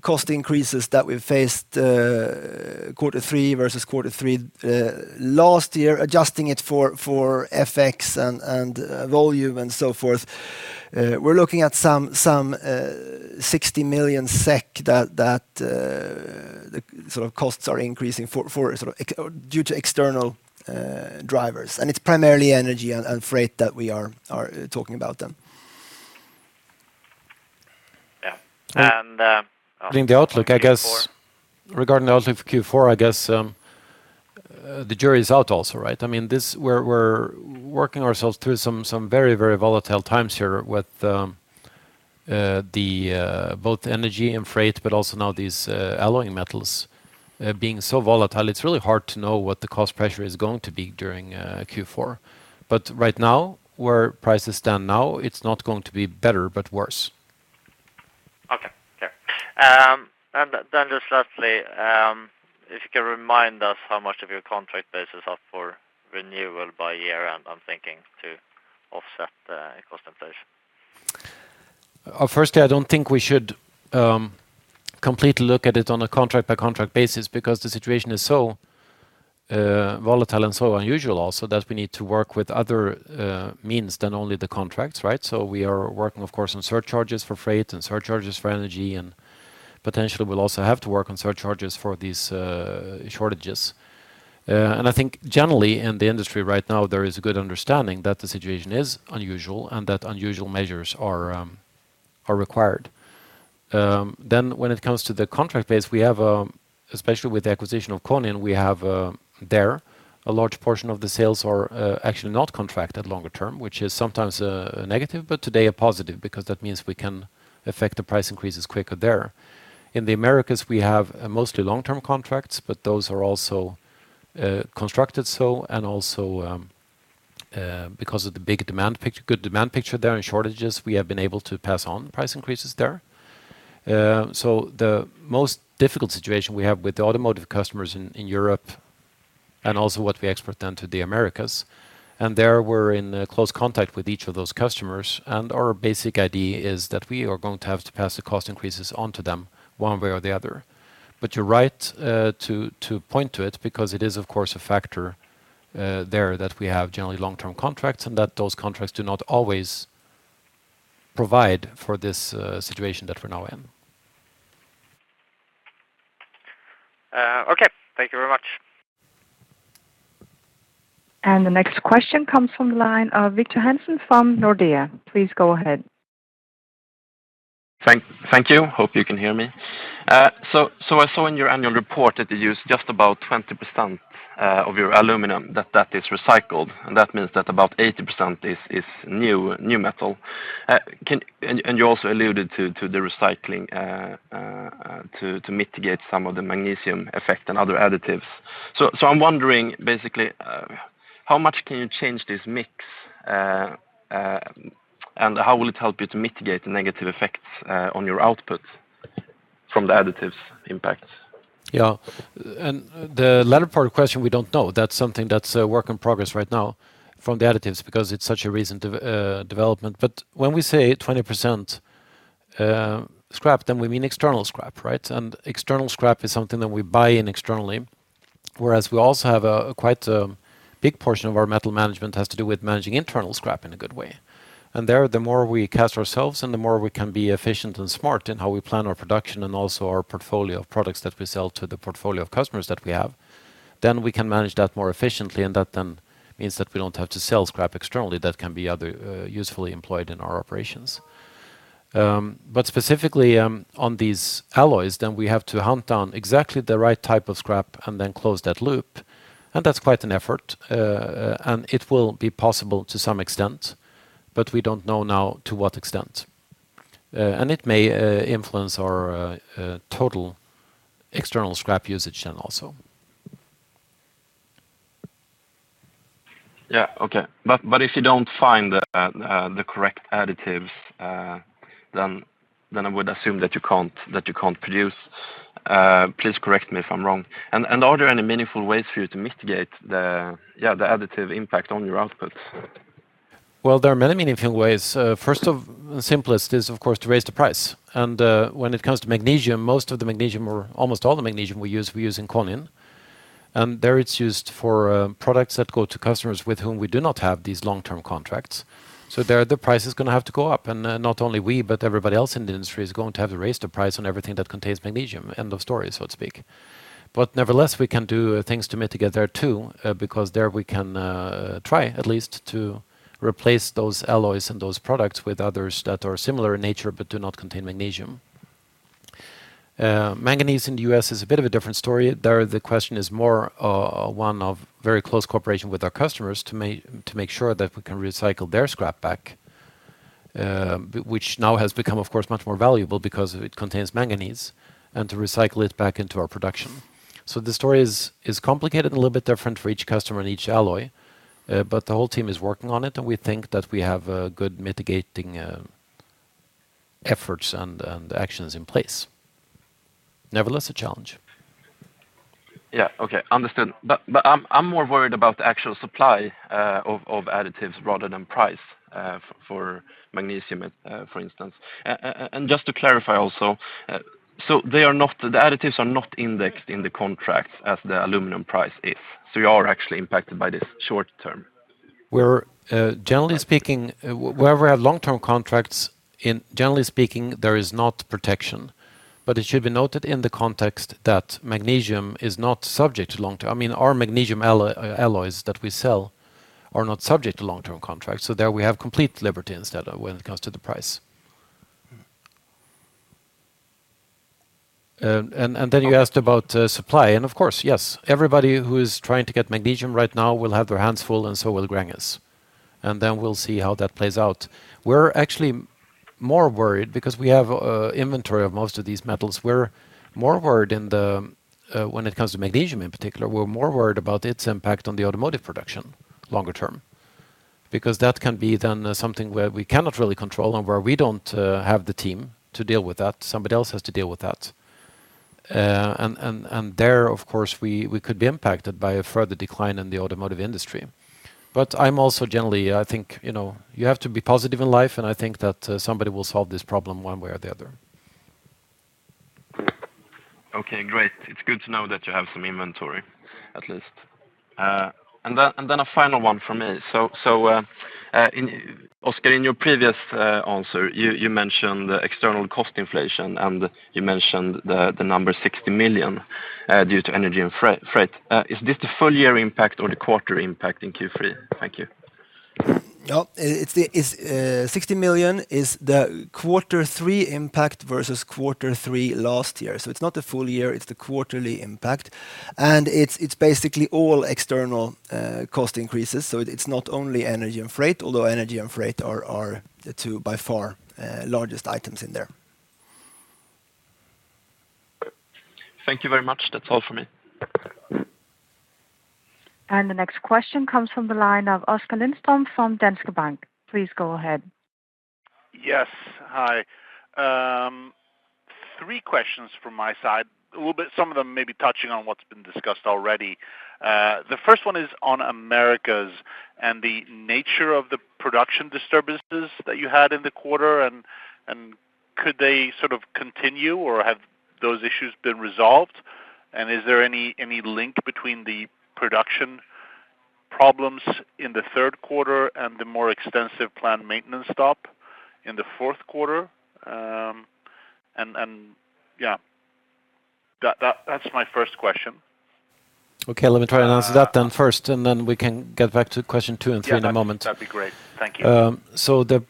Speaker 2: cost increases that we've faced quarter three versus quarter three last year, adjusting it for FX and volume and so forth, we're looking at some 60 million SEK that the costs are increasing due to external drivers, and it's primarily energy and freight that we are talking about then.
Speaker 1: Regarding the outlook for Q4, I guess, the jury's out also, right? We're working ourselves through some very volatile times here with both energy and freight, but also now these alloying metals being so volatile. It's really hard to know what the cost pressure is going to be during Q4. Right now, where prices stand now, it's not going to be better but worse.
Speaker 4: Okay. Fair. Just lastly, if you can remind us how much of your contract base is up for renewal by year-end, I'm thinking to offset cost inflation.
Speaker 1: I don't think we should completely look at it on a contract-by-contract basis because the situation is so volatile and so unusual also that we need to work with other means than only the contracts, right? We are working, of course, on surcharges for freight and surcharges for energy, and potentially we'll also have to work on surcharges for these shortages. I think generally in the industry right now, there is a good understanding that the situation is unusual and that unusual measures are required. When it comes to the contract base, especially with the acquisition of Konin, we have there a large portion of the sales are actually not contracted longer term, which is sometimes a negative, but today a positive, because that means we can affect the price increases quicker there. In the Americas, we have mostly long-term contracts, but those are also constructed so, and also because of the good demand picture there and shortages, we have been able to pass on price increases there. The most difficult situation we have with the automotive customers in Europe and also what we export then to the Americas, and there we're in close contact with each of those customers, and our basic idea is that we are going to have to pass the cost increases onto them one way or the other. You're right to point to it because it is of course a factor there that we have generally long-term contracts and that those contracts do not always provide for this situation that we're now in.
Speaker 4: Okay. Thank you very much.
Speaker 3: The next question comes from the line of Victor Hansen from Nordea. Please go ahead.
Speaker 5: Thank you. Hope you can hear me. I saw in your annual report that you use just about 20% of your aluminum that is recycled, and that means that about 80% is new metal. You also alluded to the recycling to mitigate some of the magnesium effect and other additives. I'm wondering, basically, how much can you change this mix? How will it help you to mitigate the negative effects on your output from the additives impact?
Speaker 1: Yeah. The latter part of the question, we don't know. That's something that's a work in progress right now from the additives because it's such a recent development. When we say 20% scrap, we mean external scrap, right? External scrap is something that we buy in externally, whereas we also have quite a big portion of our metal management has to do with managing internal scrap in a good way. There, the more we catch ourselves and the more we can be efficient and smart in how we plan our production and also our portfolio of products that we sell to the portfolio of customers that we have, then we can manage that more efficiently, and that then means that we don't have to sell scrap externally that can be other usefully employed in our operations. Specifically on these alloys, then we have to hunt down exactly the right type of scrap and then close that loop. That's quite an effort, and it will be possible to some extent, but we don't know now to what extent. It may influence our total external scrap usage then also.
Speaker 5: Yeah. Okay. If you don't find the correct additives, then I would assume that you can't produce. Please correct me if I'm wrong. Are there any meaningful ways for you to mitigate the additive impact on your outputs?
Speaker 1: Well, there are many meaningful ways. First off, the simplest is, of course, to raise the price. When it comes to magnesium, most of the magnesium, or almost all the magnesium we use, we use in Konin. There it's used for products that go to customers with whom we do not have these long-term contracts. There, the price is going to have to go up. Not only we, but everybody else in the industry is going to have to raise the price on everything that contains magnesium, end of story, so to speak. Nevertheless, we can do things to mitigate there too, because there we can try at least to replace those alloys and those products with others that are similar in nature but do not contain magnesium. Manganese in the U.S. is a bit of a different story. There the question is more one of very close cooperation with our customers to make sure that we can recycle their scrap back, which now has become, of course, much more valuable because it contains manganese, and to recycle it back into our production. The story is complicated and a little bit different for each customer and each alloy, but the whole team is working on it, and we think that we have good mitigating efforts and actions in place. Nevertheless, a challenge.
Speaker 5: Yeah. Okay. Understood. I'm more worried about the actual supply of additives rather than price for magnesium, for instance. Just to clarify also, the additives are not indexed in the contracts as the aluminum price is, you are actually impacted by this short-term.
Speaker 1: Generally speaking, where we have long-term contracts, generally speaking, there is not protection. It should be noted in the context that magnesium is not subject to long-term. Our magnesium alloys that we sell are not subject to long-term contracts, so there we have complete liberty instead when it comes to the price. You asked about supply and of course, yes, everybody who is trying to get magnesium right now will have their hands full, and so will Gränges. We'll see how that plays out. We're actually more worried because we have inventory of most of these metals. When it comes to magnesium in particular, we're more worried about its impact on the automotive production longer term, because that can be then something where we cannot really control and where we don't have the team to deal with that. Somebody else has to deal with that. There, of course, we could be impacted by a further decline in the automotive industry. I'm also generally, I think, you have to be positive in life, and I think that somebody will solve this problem one way or the other.
Speaker 5: Okay, great. It's good to know that you have some inventory at least. A final one from me. Oskar, in your previous answer, you mentioned the external cost inflation and you mentioned the number 60 million due to energy and freight. Is this the full-year impact or the quarter impact in Q3? Thank you.
Speaker 2: No, 60 million is the quarter three impact versus quarter three last year. It's not the full year, it's the quarterly impact. It's basically all external cost increases, so it's not only energy and freight, although energy and freight are the two by far largest items in there.
Speaker 5: Thank you very much. That's all from me.
Speaker 3: The next question comes from the line of Oskar Lindström from Danske Bank. Please go ahead.
Speaker 6: Yes. Hi. Three questions from my side. Some of them may be touching on what's been discussed already. The first one is on Americas and the nature of the production disturbances that you had in the quarter, and could they sort of continue, or have those issues been resolved? Is there any link between the production problems in the third quarter and the more extensive planned maintenance stop in the fourth quarter? Yeah, that's my first question.
Speaker 1: Okay, let me try to answer that then first, and then we can get back to question 2 and 3 in a moment.
Speaker 6: Yeah, that'd be great. Thank you.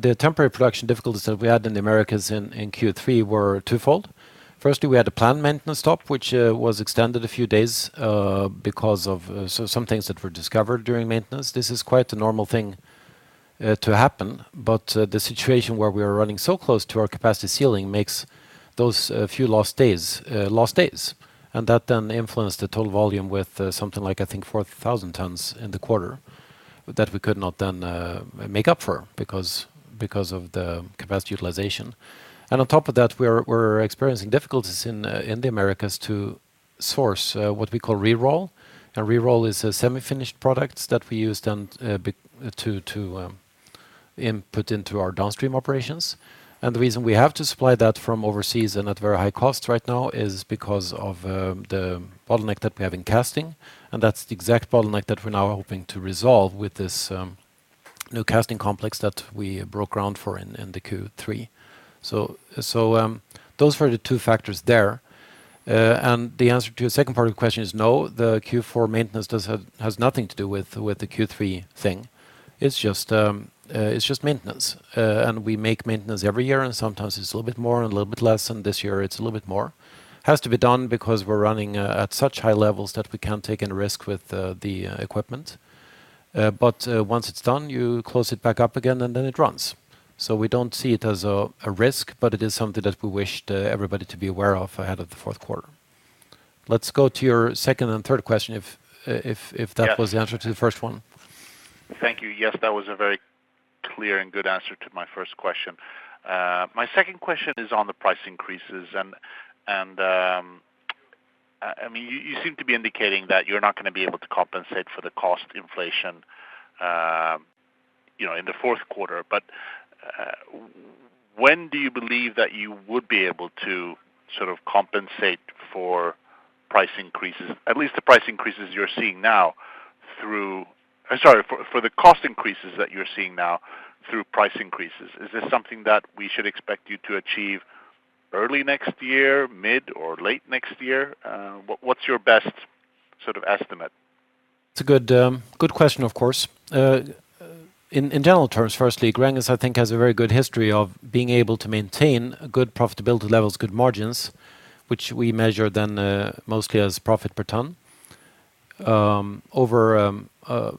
Speaker 1: The temporary production difficulties that we had in the Americas in Q3 were twofold. Firstly, we had a planned maintenance stop, which was extended a few days because of some things that were discovered during maintenance. This is quite a normal thing to happen, but the situation where we are running so close to our capacity ceiling makes those few lost days, lost days. That then influenced the total volume with something like I think 4,000 tons in the quarter that we could not then make up for because of the capacity utilization. On top of that, we're experiencing difficulties in the Americas to source what we call reroll. Reroll is a semi-finished product that we use then to input into our downstream operations. The reason we have to supply that from overseas and at very high cost right now is because of the bottleneck that we have in casting, and that's the exact bottleneck that we're now hoping to resolve with this new casting complex that we broke ground for in the Q3. Those were the two factors there. The answer to your second part of the question is no, the Q4 maintenance has nothing to do with the Q3 thing. It's just maintenance. We make maintenance every year, and sometimes it's a little bit more and a little bit less, and this year it's a little bit more. Has to be done because we're running at such high levels that we can't take any risk with the equipment. Once it's done, you close it back up again, and then it runs. We don't see it as a risk, but it is something that we wish everybody to be aware of ahead of the fourth quarter. Let's go to your second and third question, if that was the answer to the first one.
Speaker 6: Thank you. Yes, that was a very clear and good answer to my first question. My second question is on the price increases, and you seem to be indicating that you're not going to be able to compensate for the cost inflation in the fourth quarter, but when do you believe that you would be able to compensate for price increases, at least the price increases you're seeing now through Sorry, for the cost increases that you're seeing now through price increases. Is this something that we should expect you to achieve early next year, mid or late next year? What's your best estimate?
Speaker 1: It's a good question of course. In general terms, firstly, Gränges, I think, has a very good history of being able to maintain good profitability levels, good margins, which we measure then mostly as profit per ton, over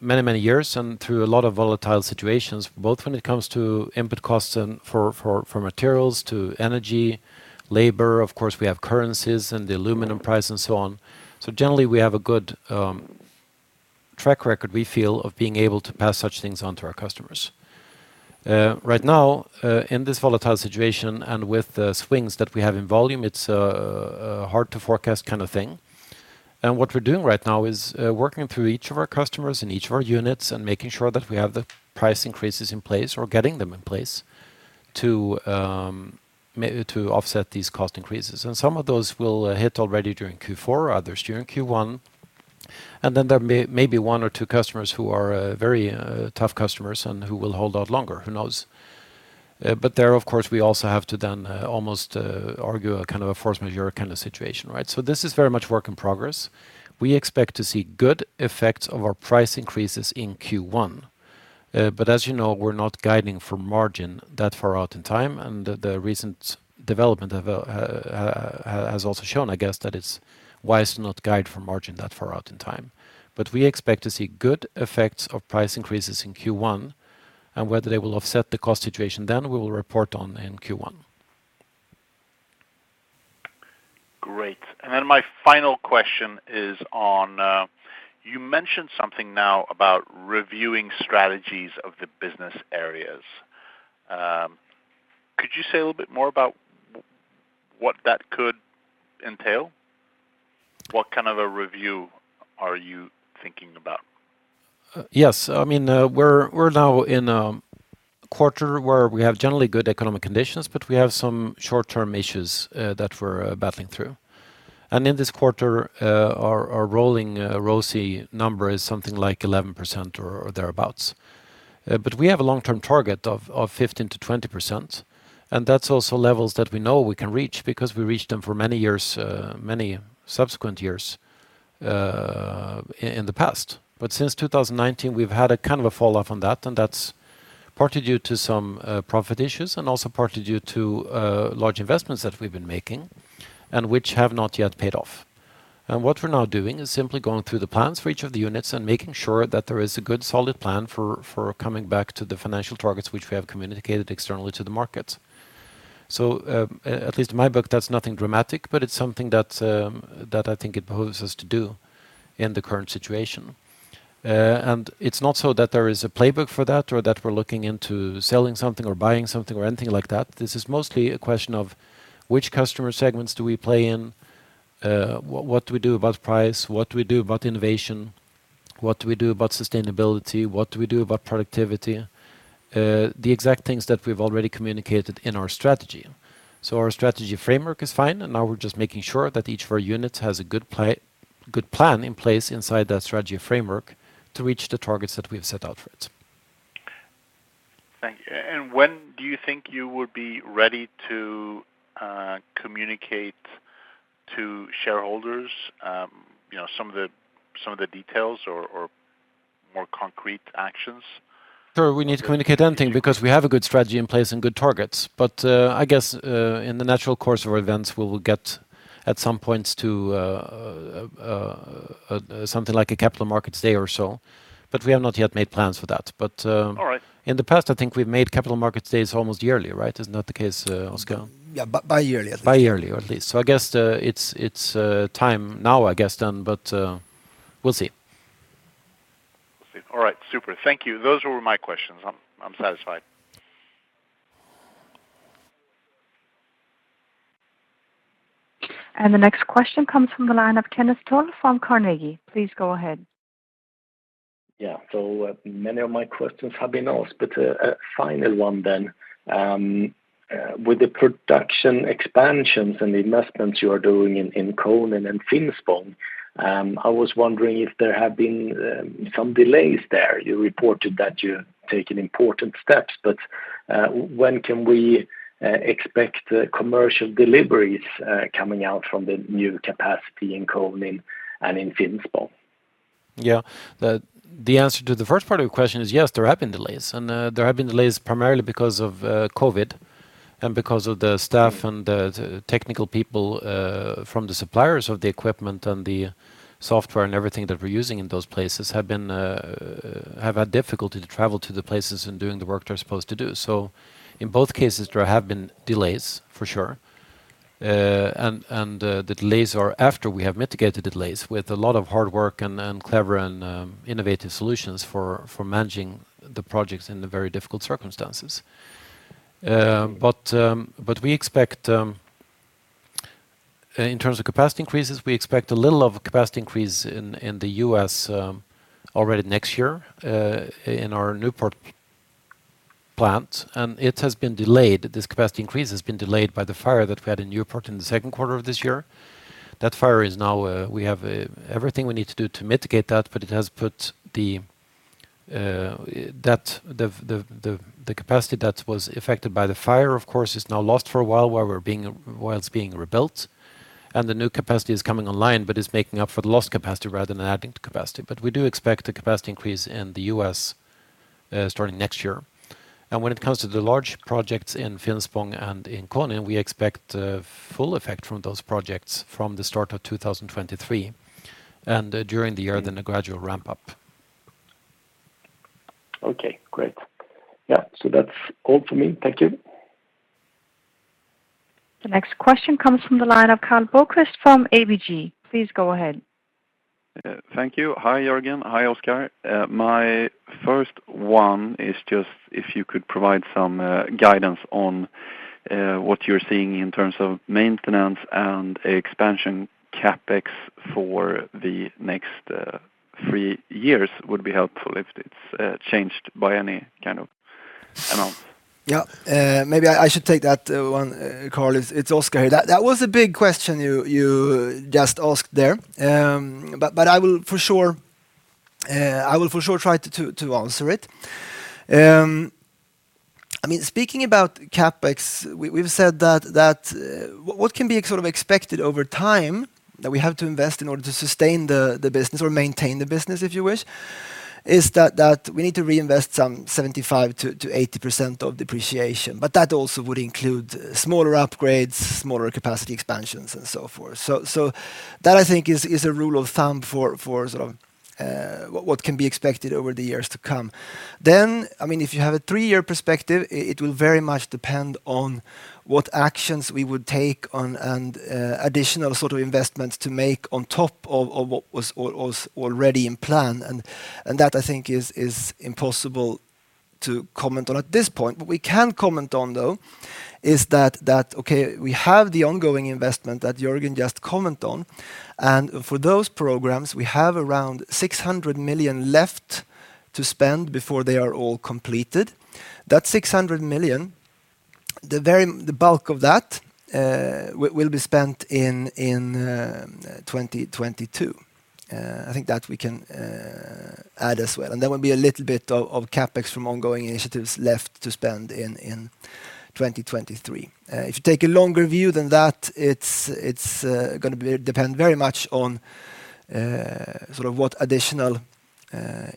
Speaker 1: many years and through a lot of volatile situations, both when it comes to input costs and for materials to energy, labor, of course we have currencies and the aluminum price and so on. Generally, we have a good track record, we feel, of being able to pass such things on to our customers. Right now, in this volatile situation and with the swings that we have in volume, it's a hard-to-forecast kind of thing. What we're doing right now is working through each of our customers in each of our units and making sure that we have the price increases in place or getting them in place to offset these cost increases. Some of those will hit already during Q4, others during Q1, then there may be one or two customers who are very tough customers and who will hold out longer, who knows? There, of course, we also have to then almost argue a force majeure kind of situation. This is very much work in progress. We expect to see good effects of our price increases in Q1. As you know, we're not guiding for margin that far out in time, and the recent development has also shown, I guess, that it's wise to not guide for margin that far out in time. We expect to see good effects of price increases in Q1, and whether they will offset the cost situation then, we will report on in Q1.
Speaker 6: Great. My final question is on, you mentioned something now about reviewing strategies of the business areas. Could you say a little bit more about what that could entail? What kind of a review are you thinking about?
Speaker 1: Yes. We're now in a quarter where we have generally good economic conditions, but we have some short-term issues that we're battling through. In this quarter, our rolling ROCE number is something like 11% or thereabouts. We have a long-term target of 15%-20%, and that's also levels that we know we can reach because we reached them for many subsequent years in the past. Since 2019, we've had a fall off on that, and that's partly due to some profit issues and also partly due to large investments that we've been making and which have not yet paid off. What we're now doing is simply going through the plans for each of the units and making sure that there is a good, solid plan for coming back to the financial targets which we have communicated externally to the markets. At least in my book, that's nothing dramatic, but it's something that I think it behooves us to do in the current situation. It's not so that there is a playbook for that or that we're looking into selling something or buying something or anything like that. This is mostly a question of which customer segments do we play in, what do we do about price, what do we do about innovation, what do we do about sustainability, what do we do about productivity? The exact things that we've already communicated in our strategy. Our strategy framework is fine, and now we're just making sure that each of our units has a good plan in place inside that strategy framework to reach the targets that we've set out for it.
Speaker 6: Thank you. When do you think you would be ready to communicate to shareholders some of the details or more concrete actions?
Speaker 1: Sir, we need to communicate anything because we have a good strategy in place and good targets. I guess in the natural course of our events, we will get at some point to something like a Capital Markets Day or so, but we have not yet made plans for that.
Speaker 6: All right.
Speaker 1: in the past, I think we've made Capital Markets Days almost yearly, right? Is not the case, Oskar?
Speaker 2: Yeah, bi-yearly at least.
Speaker 1: Bi-yearly at least. I guess it's time now, I guess then, but we'll see.
Speaker 6: We'll see. All right. Super. Thank you. Those were my questions. I'm satisfied.
Speaker 3: The next question comes from the line of Kenneth Toll from Carnegie. Please go ahead.
Speaker 7: Yeah. Many of my questions have been asked, but a final one then. With the production expansions and the investments you are doing in Konin and Finspång, I was wondering if there have been some delays there. You reported that you've taken important steps. When can we expect commercial deliveries coming out from the new capacity in Konin and in Finspång?
Speaker 1: Yeah. The answer to the first part of your question is yes, there have been delays. There have been delays primarily because of COVID and because of the staff and the technical people from the suppliers of the equipment and the software, and everything that we're using in those places have had difficulty to travel to the places and doing the work they're supposed to do. In both cases, there have been delays, for sure. The delays are after we have mitigated the delays with a lot of hard work and clever and innovative solutions for managing the projects in the very difficult circumstances. In terms of capacity increases, we expect a little of a capacity increase in the U.S. already next year in our Newport plant. This capacity increase has been delayed by the fire that we had in Newport in the second quarter of this year. That fire, we have everything we need to do to mitigate that. The capacity that was affected by the fire, of course, is now lost for a while while it's being rebuilt, and the new capacity is coming online, but is making up for the lost capacity rather than adding to capacity. We do expect a capacity increase in the U.S. starting next year. When it comes to the large projects in Finspång and in Konin, we expect full effect from those projects from the start of 2023, and during the year, then a gradual ramp-up.
Speaker 7: Okay, great. Yeah. That's all for me. Thank you.
Speaker 3: The next question comes from the line of Karl Bokvist from ABG. Please go ahead.
Speaker 8: Thank you. Hi, Jörgen. Hi, Oskar. My first one is just if you could provide some guidance on what you're seeing in terms of maintenance and expansion CapEx for the next 3 years would be helpful, if it's changed by any kind of amount.
Speaker 2: Yeah. Maybe I should take that one, Karl. It's Oskar here. That was a big question you just asked there. I will for sure try to answer it. Speaking about CapEx, we've said that what can be expected over time that we have to invest in order to sustain the business or maintain the business, if you wish, is that we need to reinvest some 75%-80% of depreciation. That also would include smaller upgrades, smaller capacity expansions, and so forth. That I think is a rule of thumb for what can be expected over the years to come. If you have a 3-year perspective, it will very much depend on what actions we would take on, and additional sort of investments to make on top of what was already in plan. That I think is impossible to comment on at this point. What we can comment on, though, is that, okay, we have the ongoing investment that Jörgen just comment on, and for those programs, we have around 600 million left to spend before they are all completed. That 600 million, the bulk of that, will be spent in 2022. I think that we can add as well. There will be a little bit of CapEx from ongoing initiatives left to spend in 2023. If you take a longer view than that, it's going to depend very much on what additional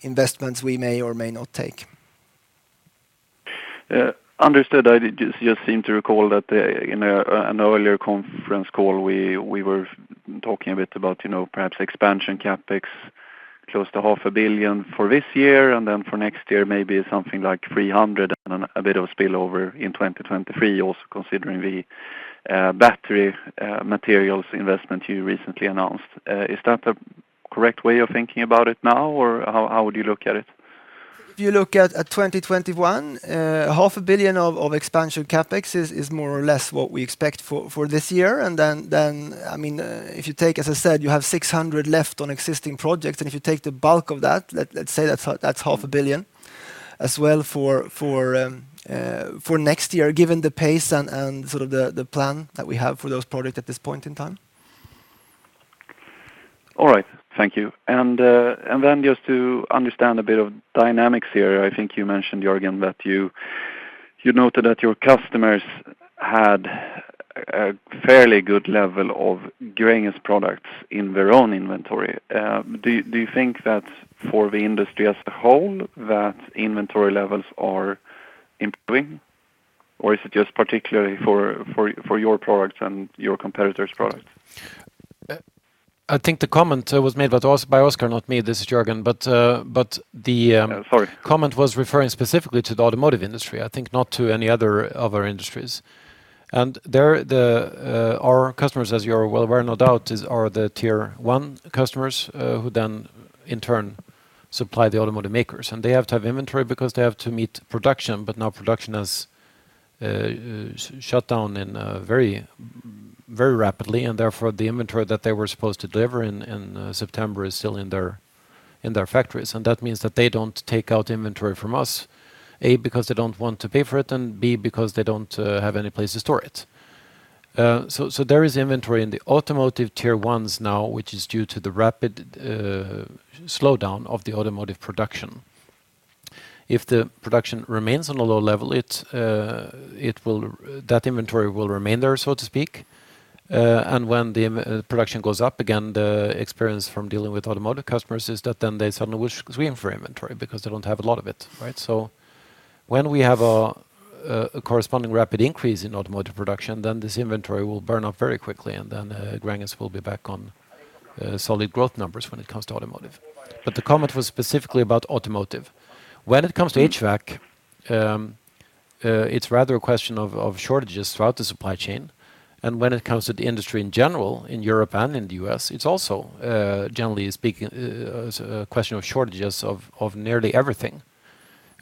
Speaker 2: investments we may or may not take.
Speaker 8: Understood. I just seem to recall that in an earlier conference call, we were talking a bit about perhaps expansion CapEx, close to SEK half a billion for this year, and then for next year, maybe something like 300 and a bit of a spillover in 2023. Also considering the battery materials investment you recently announced. Is that the correct way of thinking about it now, or how would you look at it?
Speaker 2: If you look at 2021, SEK half a billion of expansion CapEx is more or less what we expect for this year. If you take, as I said, you have 600 left on existing projects, and if you take the bulk of that, let's say that's SEK half a billion as well for next year, given the pace and the plan that we have for those products at this point in time.
Speaker 8: All right. Thank you. Just to understand a bit of dynamics here, I think you mentioned, Jörgen, that you noted that your customers had a fairly good level of Gränges products in their own inventory. Do you think that for the industry as a whole, that inventory levels are improving, or is it just particularly for your products and your competitors' products?
Speaker 1: I think the comment was made by Oskar, not me. This is Jörgen. The Comment was referring specifically to the automotive industry, I think not to any other industries. There, our customers, as you are well aware no doubt, are the Tier 1 customers, who then in turn supply the automotive makers. They have to have inventory because they have to meet production. Now production has shut down very rapidly, and therefore, the inventory that they were supposed to deliver in September is still in their factories. That means that they don't take out inventory from us, A, because they don't want to pay for it, and B, because they don't have any place to store it. There is inventory in the automotive Tier 1s now, which is due to the rapid slowdown of the automotive production. If the production remains on a low level, that inventory will remain there, so to speak. When the production goes up again, the experience from dealing with automotive customers is that then they suddenly wish we have inventory because they don't have a lot of it. When we have a corresponding rapid increase in automotive production, then this inventory will burn off very quickly, and then Gränges will be back on solid growth numbers when it comes to automotive. The comment was specifically about automotive. When it comes to HVAC, it's rather a question of shortages throughout the supply chain. When it comes to the industry in general, in Europe and in the U.S., it's also, generally speaking, a question of shortages of nearly everything.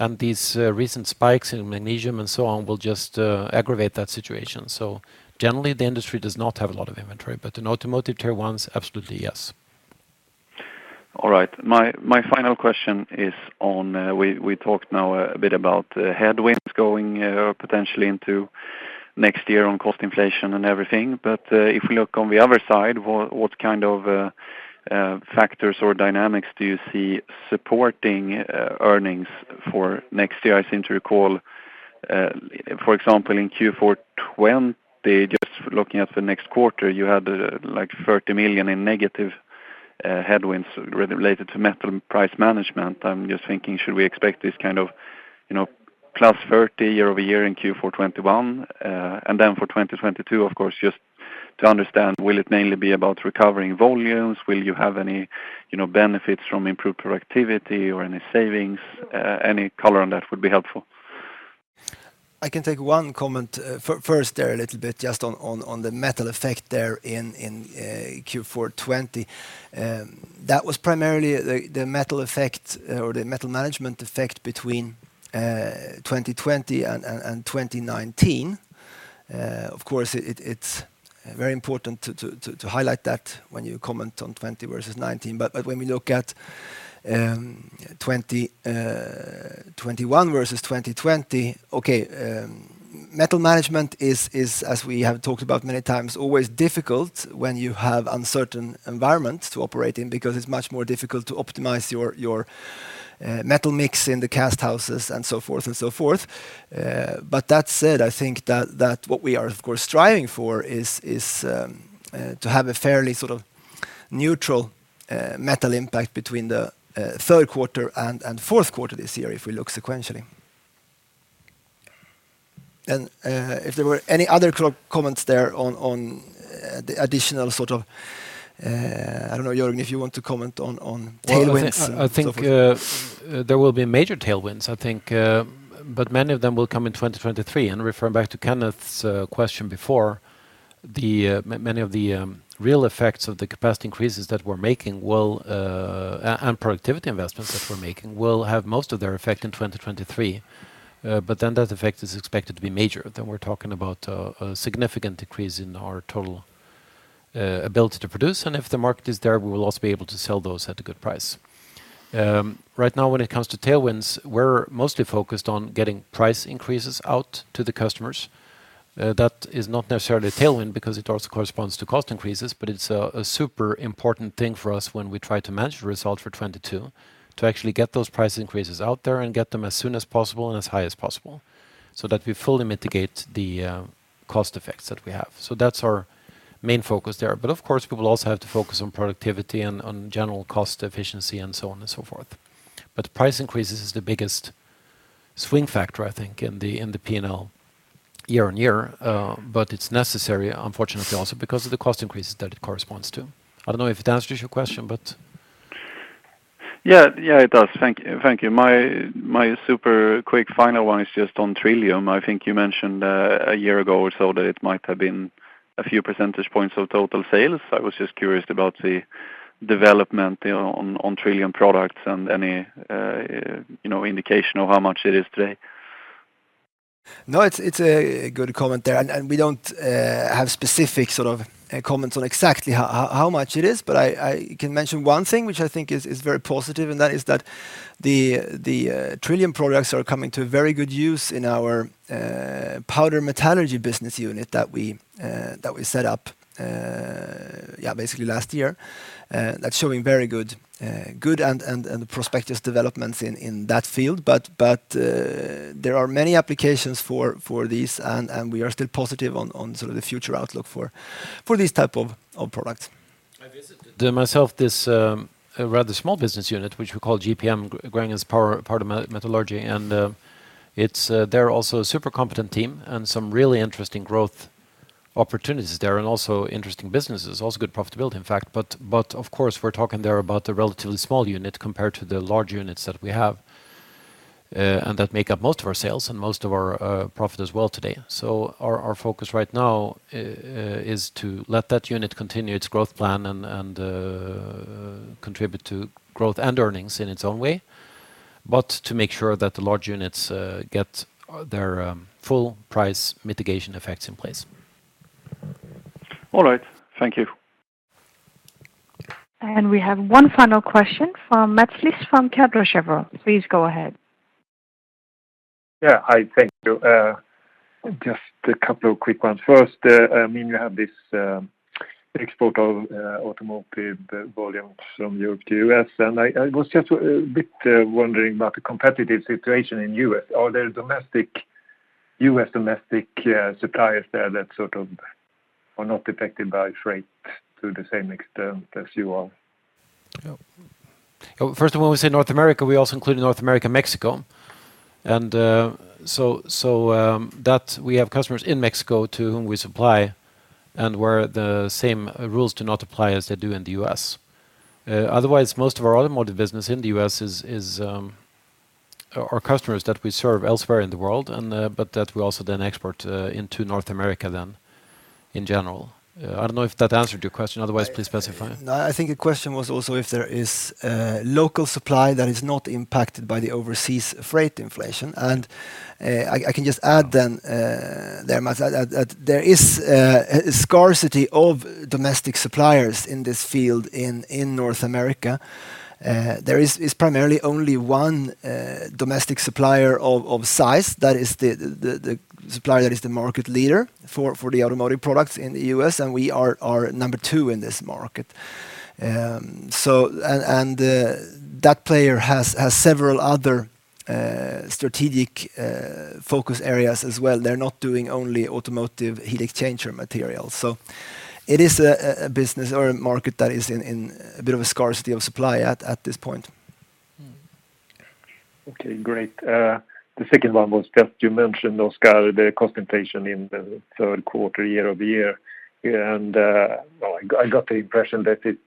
Speaker 1: These recent spikes in magnesium and so on will just aggravate that situation. Generally, the industry does not have a lot of inventory, but in automotive Tier 1s, absolutely yes.
Speaker 8: All right. My final question is on, we talked now a bit about headwinds going potentially into next year on cost inflation and everything. If we look on the other side, what kind of factors or dynamics do you see supporting earnings for next year? I seem to recall, for example, in Q4 2020, just looking at the next quarter, you had 30 million in negative headwinds related to metal price management. I'm just thinking, should we expect this kind of +30 year-over-year in Q4 2021? For 2022, of course, just to understand, will it mainly be about recovering volumes? Will you have any benefits from improved productivity or any savings? Any color on that would be helpful.
Speaker 2: I can take one comment first there a little bit just on the metal effect there in Q4 2020. That was primarily the metal effect or the metal management effect between 2020 and 2019. It's very important to highlight that when you comment on 2020 versus 2019. When we look at 2021 versus 2020, metal management is, as we have talked about many times, always difficult when you have uncertain environments to operate in because it's much more difficult to optimize your metal mix in the cast houses and so forth. That said, I think that what we are, of course, striving for is to have a fairly neutral metal impact between the third quarter and fourth quarter this year, if we look sequentially. If there were any other comments there on the additional, I don't know, Jörgen, if you want to comment on tailwinds and so forth?
Speaker 1: I think there will be major tailwinds. Many of them will come in 2023. Referring back to Kenneth's question before, many of the real effects of the capacity increases that we're making and productivity investments that we're making will have most of their effect in 2023. That effect is expected to be major. We're talking about a significant decrease in our total ability to produce. If the market is there, we will also be able to sell those at a good price. Right now, when it comes to tailwinds, we're mostly focused on getting price increases out to the customers. That is not necessarily a tailwind because it also corresponds to cost increases, it's a super important thing for us when we try to manage the result for 2022 to actually get those price increases out there and get them as soon as possible and as high as possible so that we fully mitigate the cost effects that we have. That's our main focus there. Of course, we will also have to focus on productivity and on general cost efficiency and so on and so forth. Price increases is the biggest swing factor, I think, in the P&L year-on-year. It's necessary, unfortunately, also because of the cost increases that it corresponds to. I don't know if it answers your question.
Speaker 8: It does. Thank you. My super quick final one is just on TRILLIUM. I think you mentioned a year ago or so that it might have been a few percentage points of total sales. I was just curious about the development on TRILLIUM products and any indication of how much it is today.
Speaker 2: No, it's a good comment there, and we don't have specific comments on exactly how much it is, but I can mention one thing which I think is very positive, and that is that the TRILLIUM products are coming to very good use in our powder metallurgy business unit that we set up, yeah, basically last year. That's showing very good and prospective developments in that field. There are many applications for these, and we are still positive on the future outlook for these type of products.
Speaker 1: I visited myself this rather small business unit, which we call GPM, Gränges Powder Metallurgy, and they're also a super competent team, and some really interesting growth opportunities there and also interesting businesses, also good profitability, in fact. Of course, we're talking there about a relatively small unit compared to the large units that we have, and that make up most of our sales and most of our profit as well today. Our focus right now is to let that unit continue its growth plan and contribute to growth and earnings in its own way, but to make sure that the large units get their full price mitigation effects in place.
Speaker 8: All right. Thank you.
Speaker 3: We have one final question from Mats Liss from Kepler Cheuvreux. Please go ahead.
Speaker 9: Thank you. Just a couple of quick ones. First, you have this export of automotive volumes from Europe to U.S., and I was just a bit wondering about the competitive situation in U.S. Are there U.S. domestic suppliers there that are not affected by freight to the same extent as you are?
Speaker 1: First of all, when we say North America, we also include North America, Mexico. We have customers in Mexico to whom we supply, and where the same rules do not apply as they do in the U.S. Otherwise, most of our automotive business in the U.S. is our customers that we serve elsewhere in the world, but that we also then export into North America then in general. I don't know if that answered your question, otherwise, please specify.
Speaker 2: No, I think the question was also if there is local supply that is not impacted by the overseas freight inflation, and I can just add then there, Mats, that there is a scarcity of domestic suppliers in this field in North America. There is primarily only one domestic supplier of size, that is the supplier that is the market leader for the automotive products in the U.S., and we are number two in this market. And that player has several other strategic focus areas as well. They're not doing only automotive heat exchanger materials. So it is a business or a market that is in a bit of a scarcity of supply at this point.
Speaker 9: Okay, great. The second one was just, you mentioned, Oskar, the concentration in the third quarter year-over-year, I got the impression that it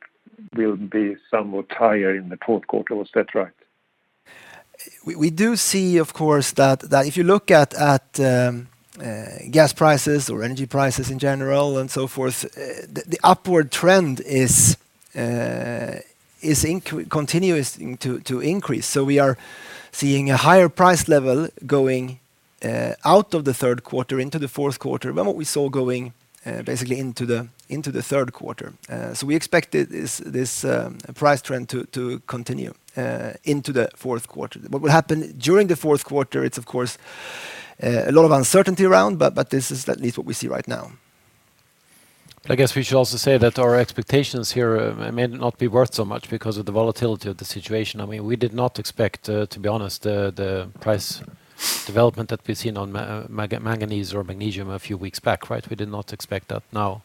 Speaker 9: will be somewhat higher in the fourth quarter. Was that right?
Speaker 2: We do see, of course, that if you look at gas prices or energy prices in general and so forth, the upward trend continues to increase. We are seeing a higher price level going out of the third quarter into the fourth quarter than what we saw going basically into the third quarter. We expect this price trend to continue into the fourth quarter. What will happen during the fourth quarter, it's of course a lot of uncertainty around, but this is at least what we see right now.
Speaker 1: We should also say that our expectations here may not be worth so much because of the volatility of the situation. We did not expect, to be honest, the price development that we've seen on manganese or magnesium a few weeks back. We did not expect that now.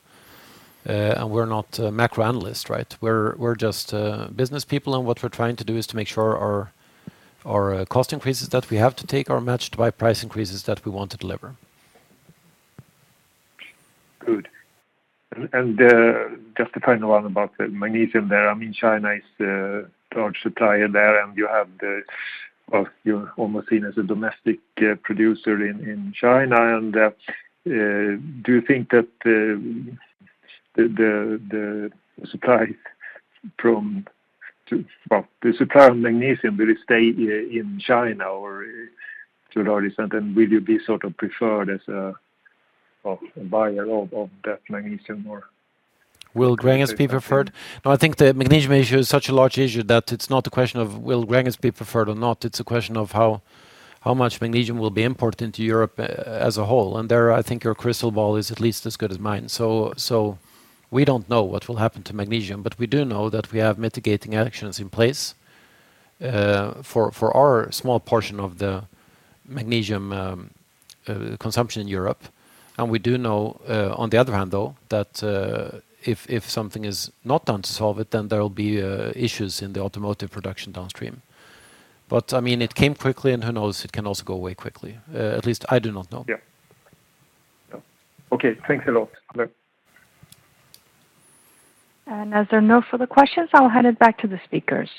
Speaker 1: We're not macro analysts. We're just business people, and what we're trying to do is to make sure our cost increases that we have to take are matched by price increases that we want to deliver.
Speaker 9: Good. Just a final one about the magnesium there. China is a large supplier there, and you're almost seen as a domestic producer in China. Do you think that the supply of magnesium will stay in China, or to a large extent, and will you be preferred as a buyer of that magnesium, or?
Speaker 1: Will Gränges be preferred? I think the magnesium issue is such a large issue that it's not a question of will Gränges be preferred or not, it's a question of how much magnesium will be imported into Europe as a whole. There, I think your crystal ball is at least as good as mine. We don't know what will happen to magnesium. We do know that we have mitigating actions in place for our small portion of the magnesium consumption in Europe. We do know, on the other hand, though, that if something is not done to solve it, there will be issues in the automotive production downstream. It came quickly. Who knows, it can also go away quickly. At least I do not know.
Speaker 9: Yeah. Okay. Thanks a lot. Bye.
Speaker 3: As there are no further questions, I'll hand it back to the speakers.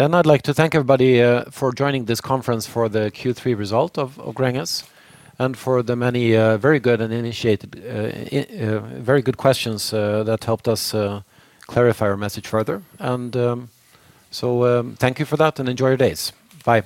Speaker 1: I'd like to thank everybody for joining this conference for the Q3 Result of Gränges, and for the many very good questions that helped us clarify our message further. Thank you for that, and enjoy your days. Bye.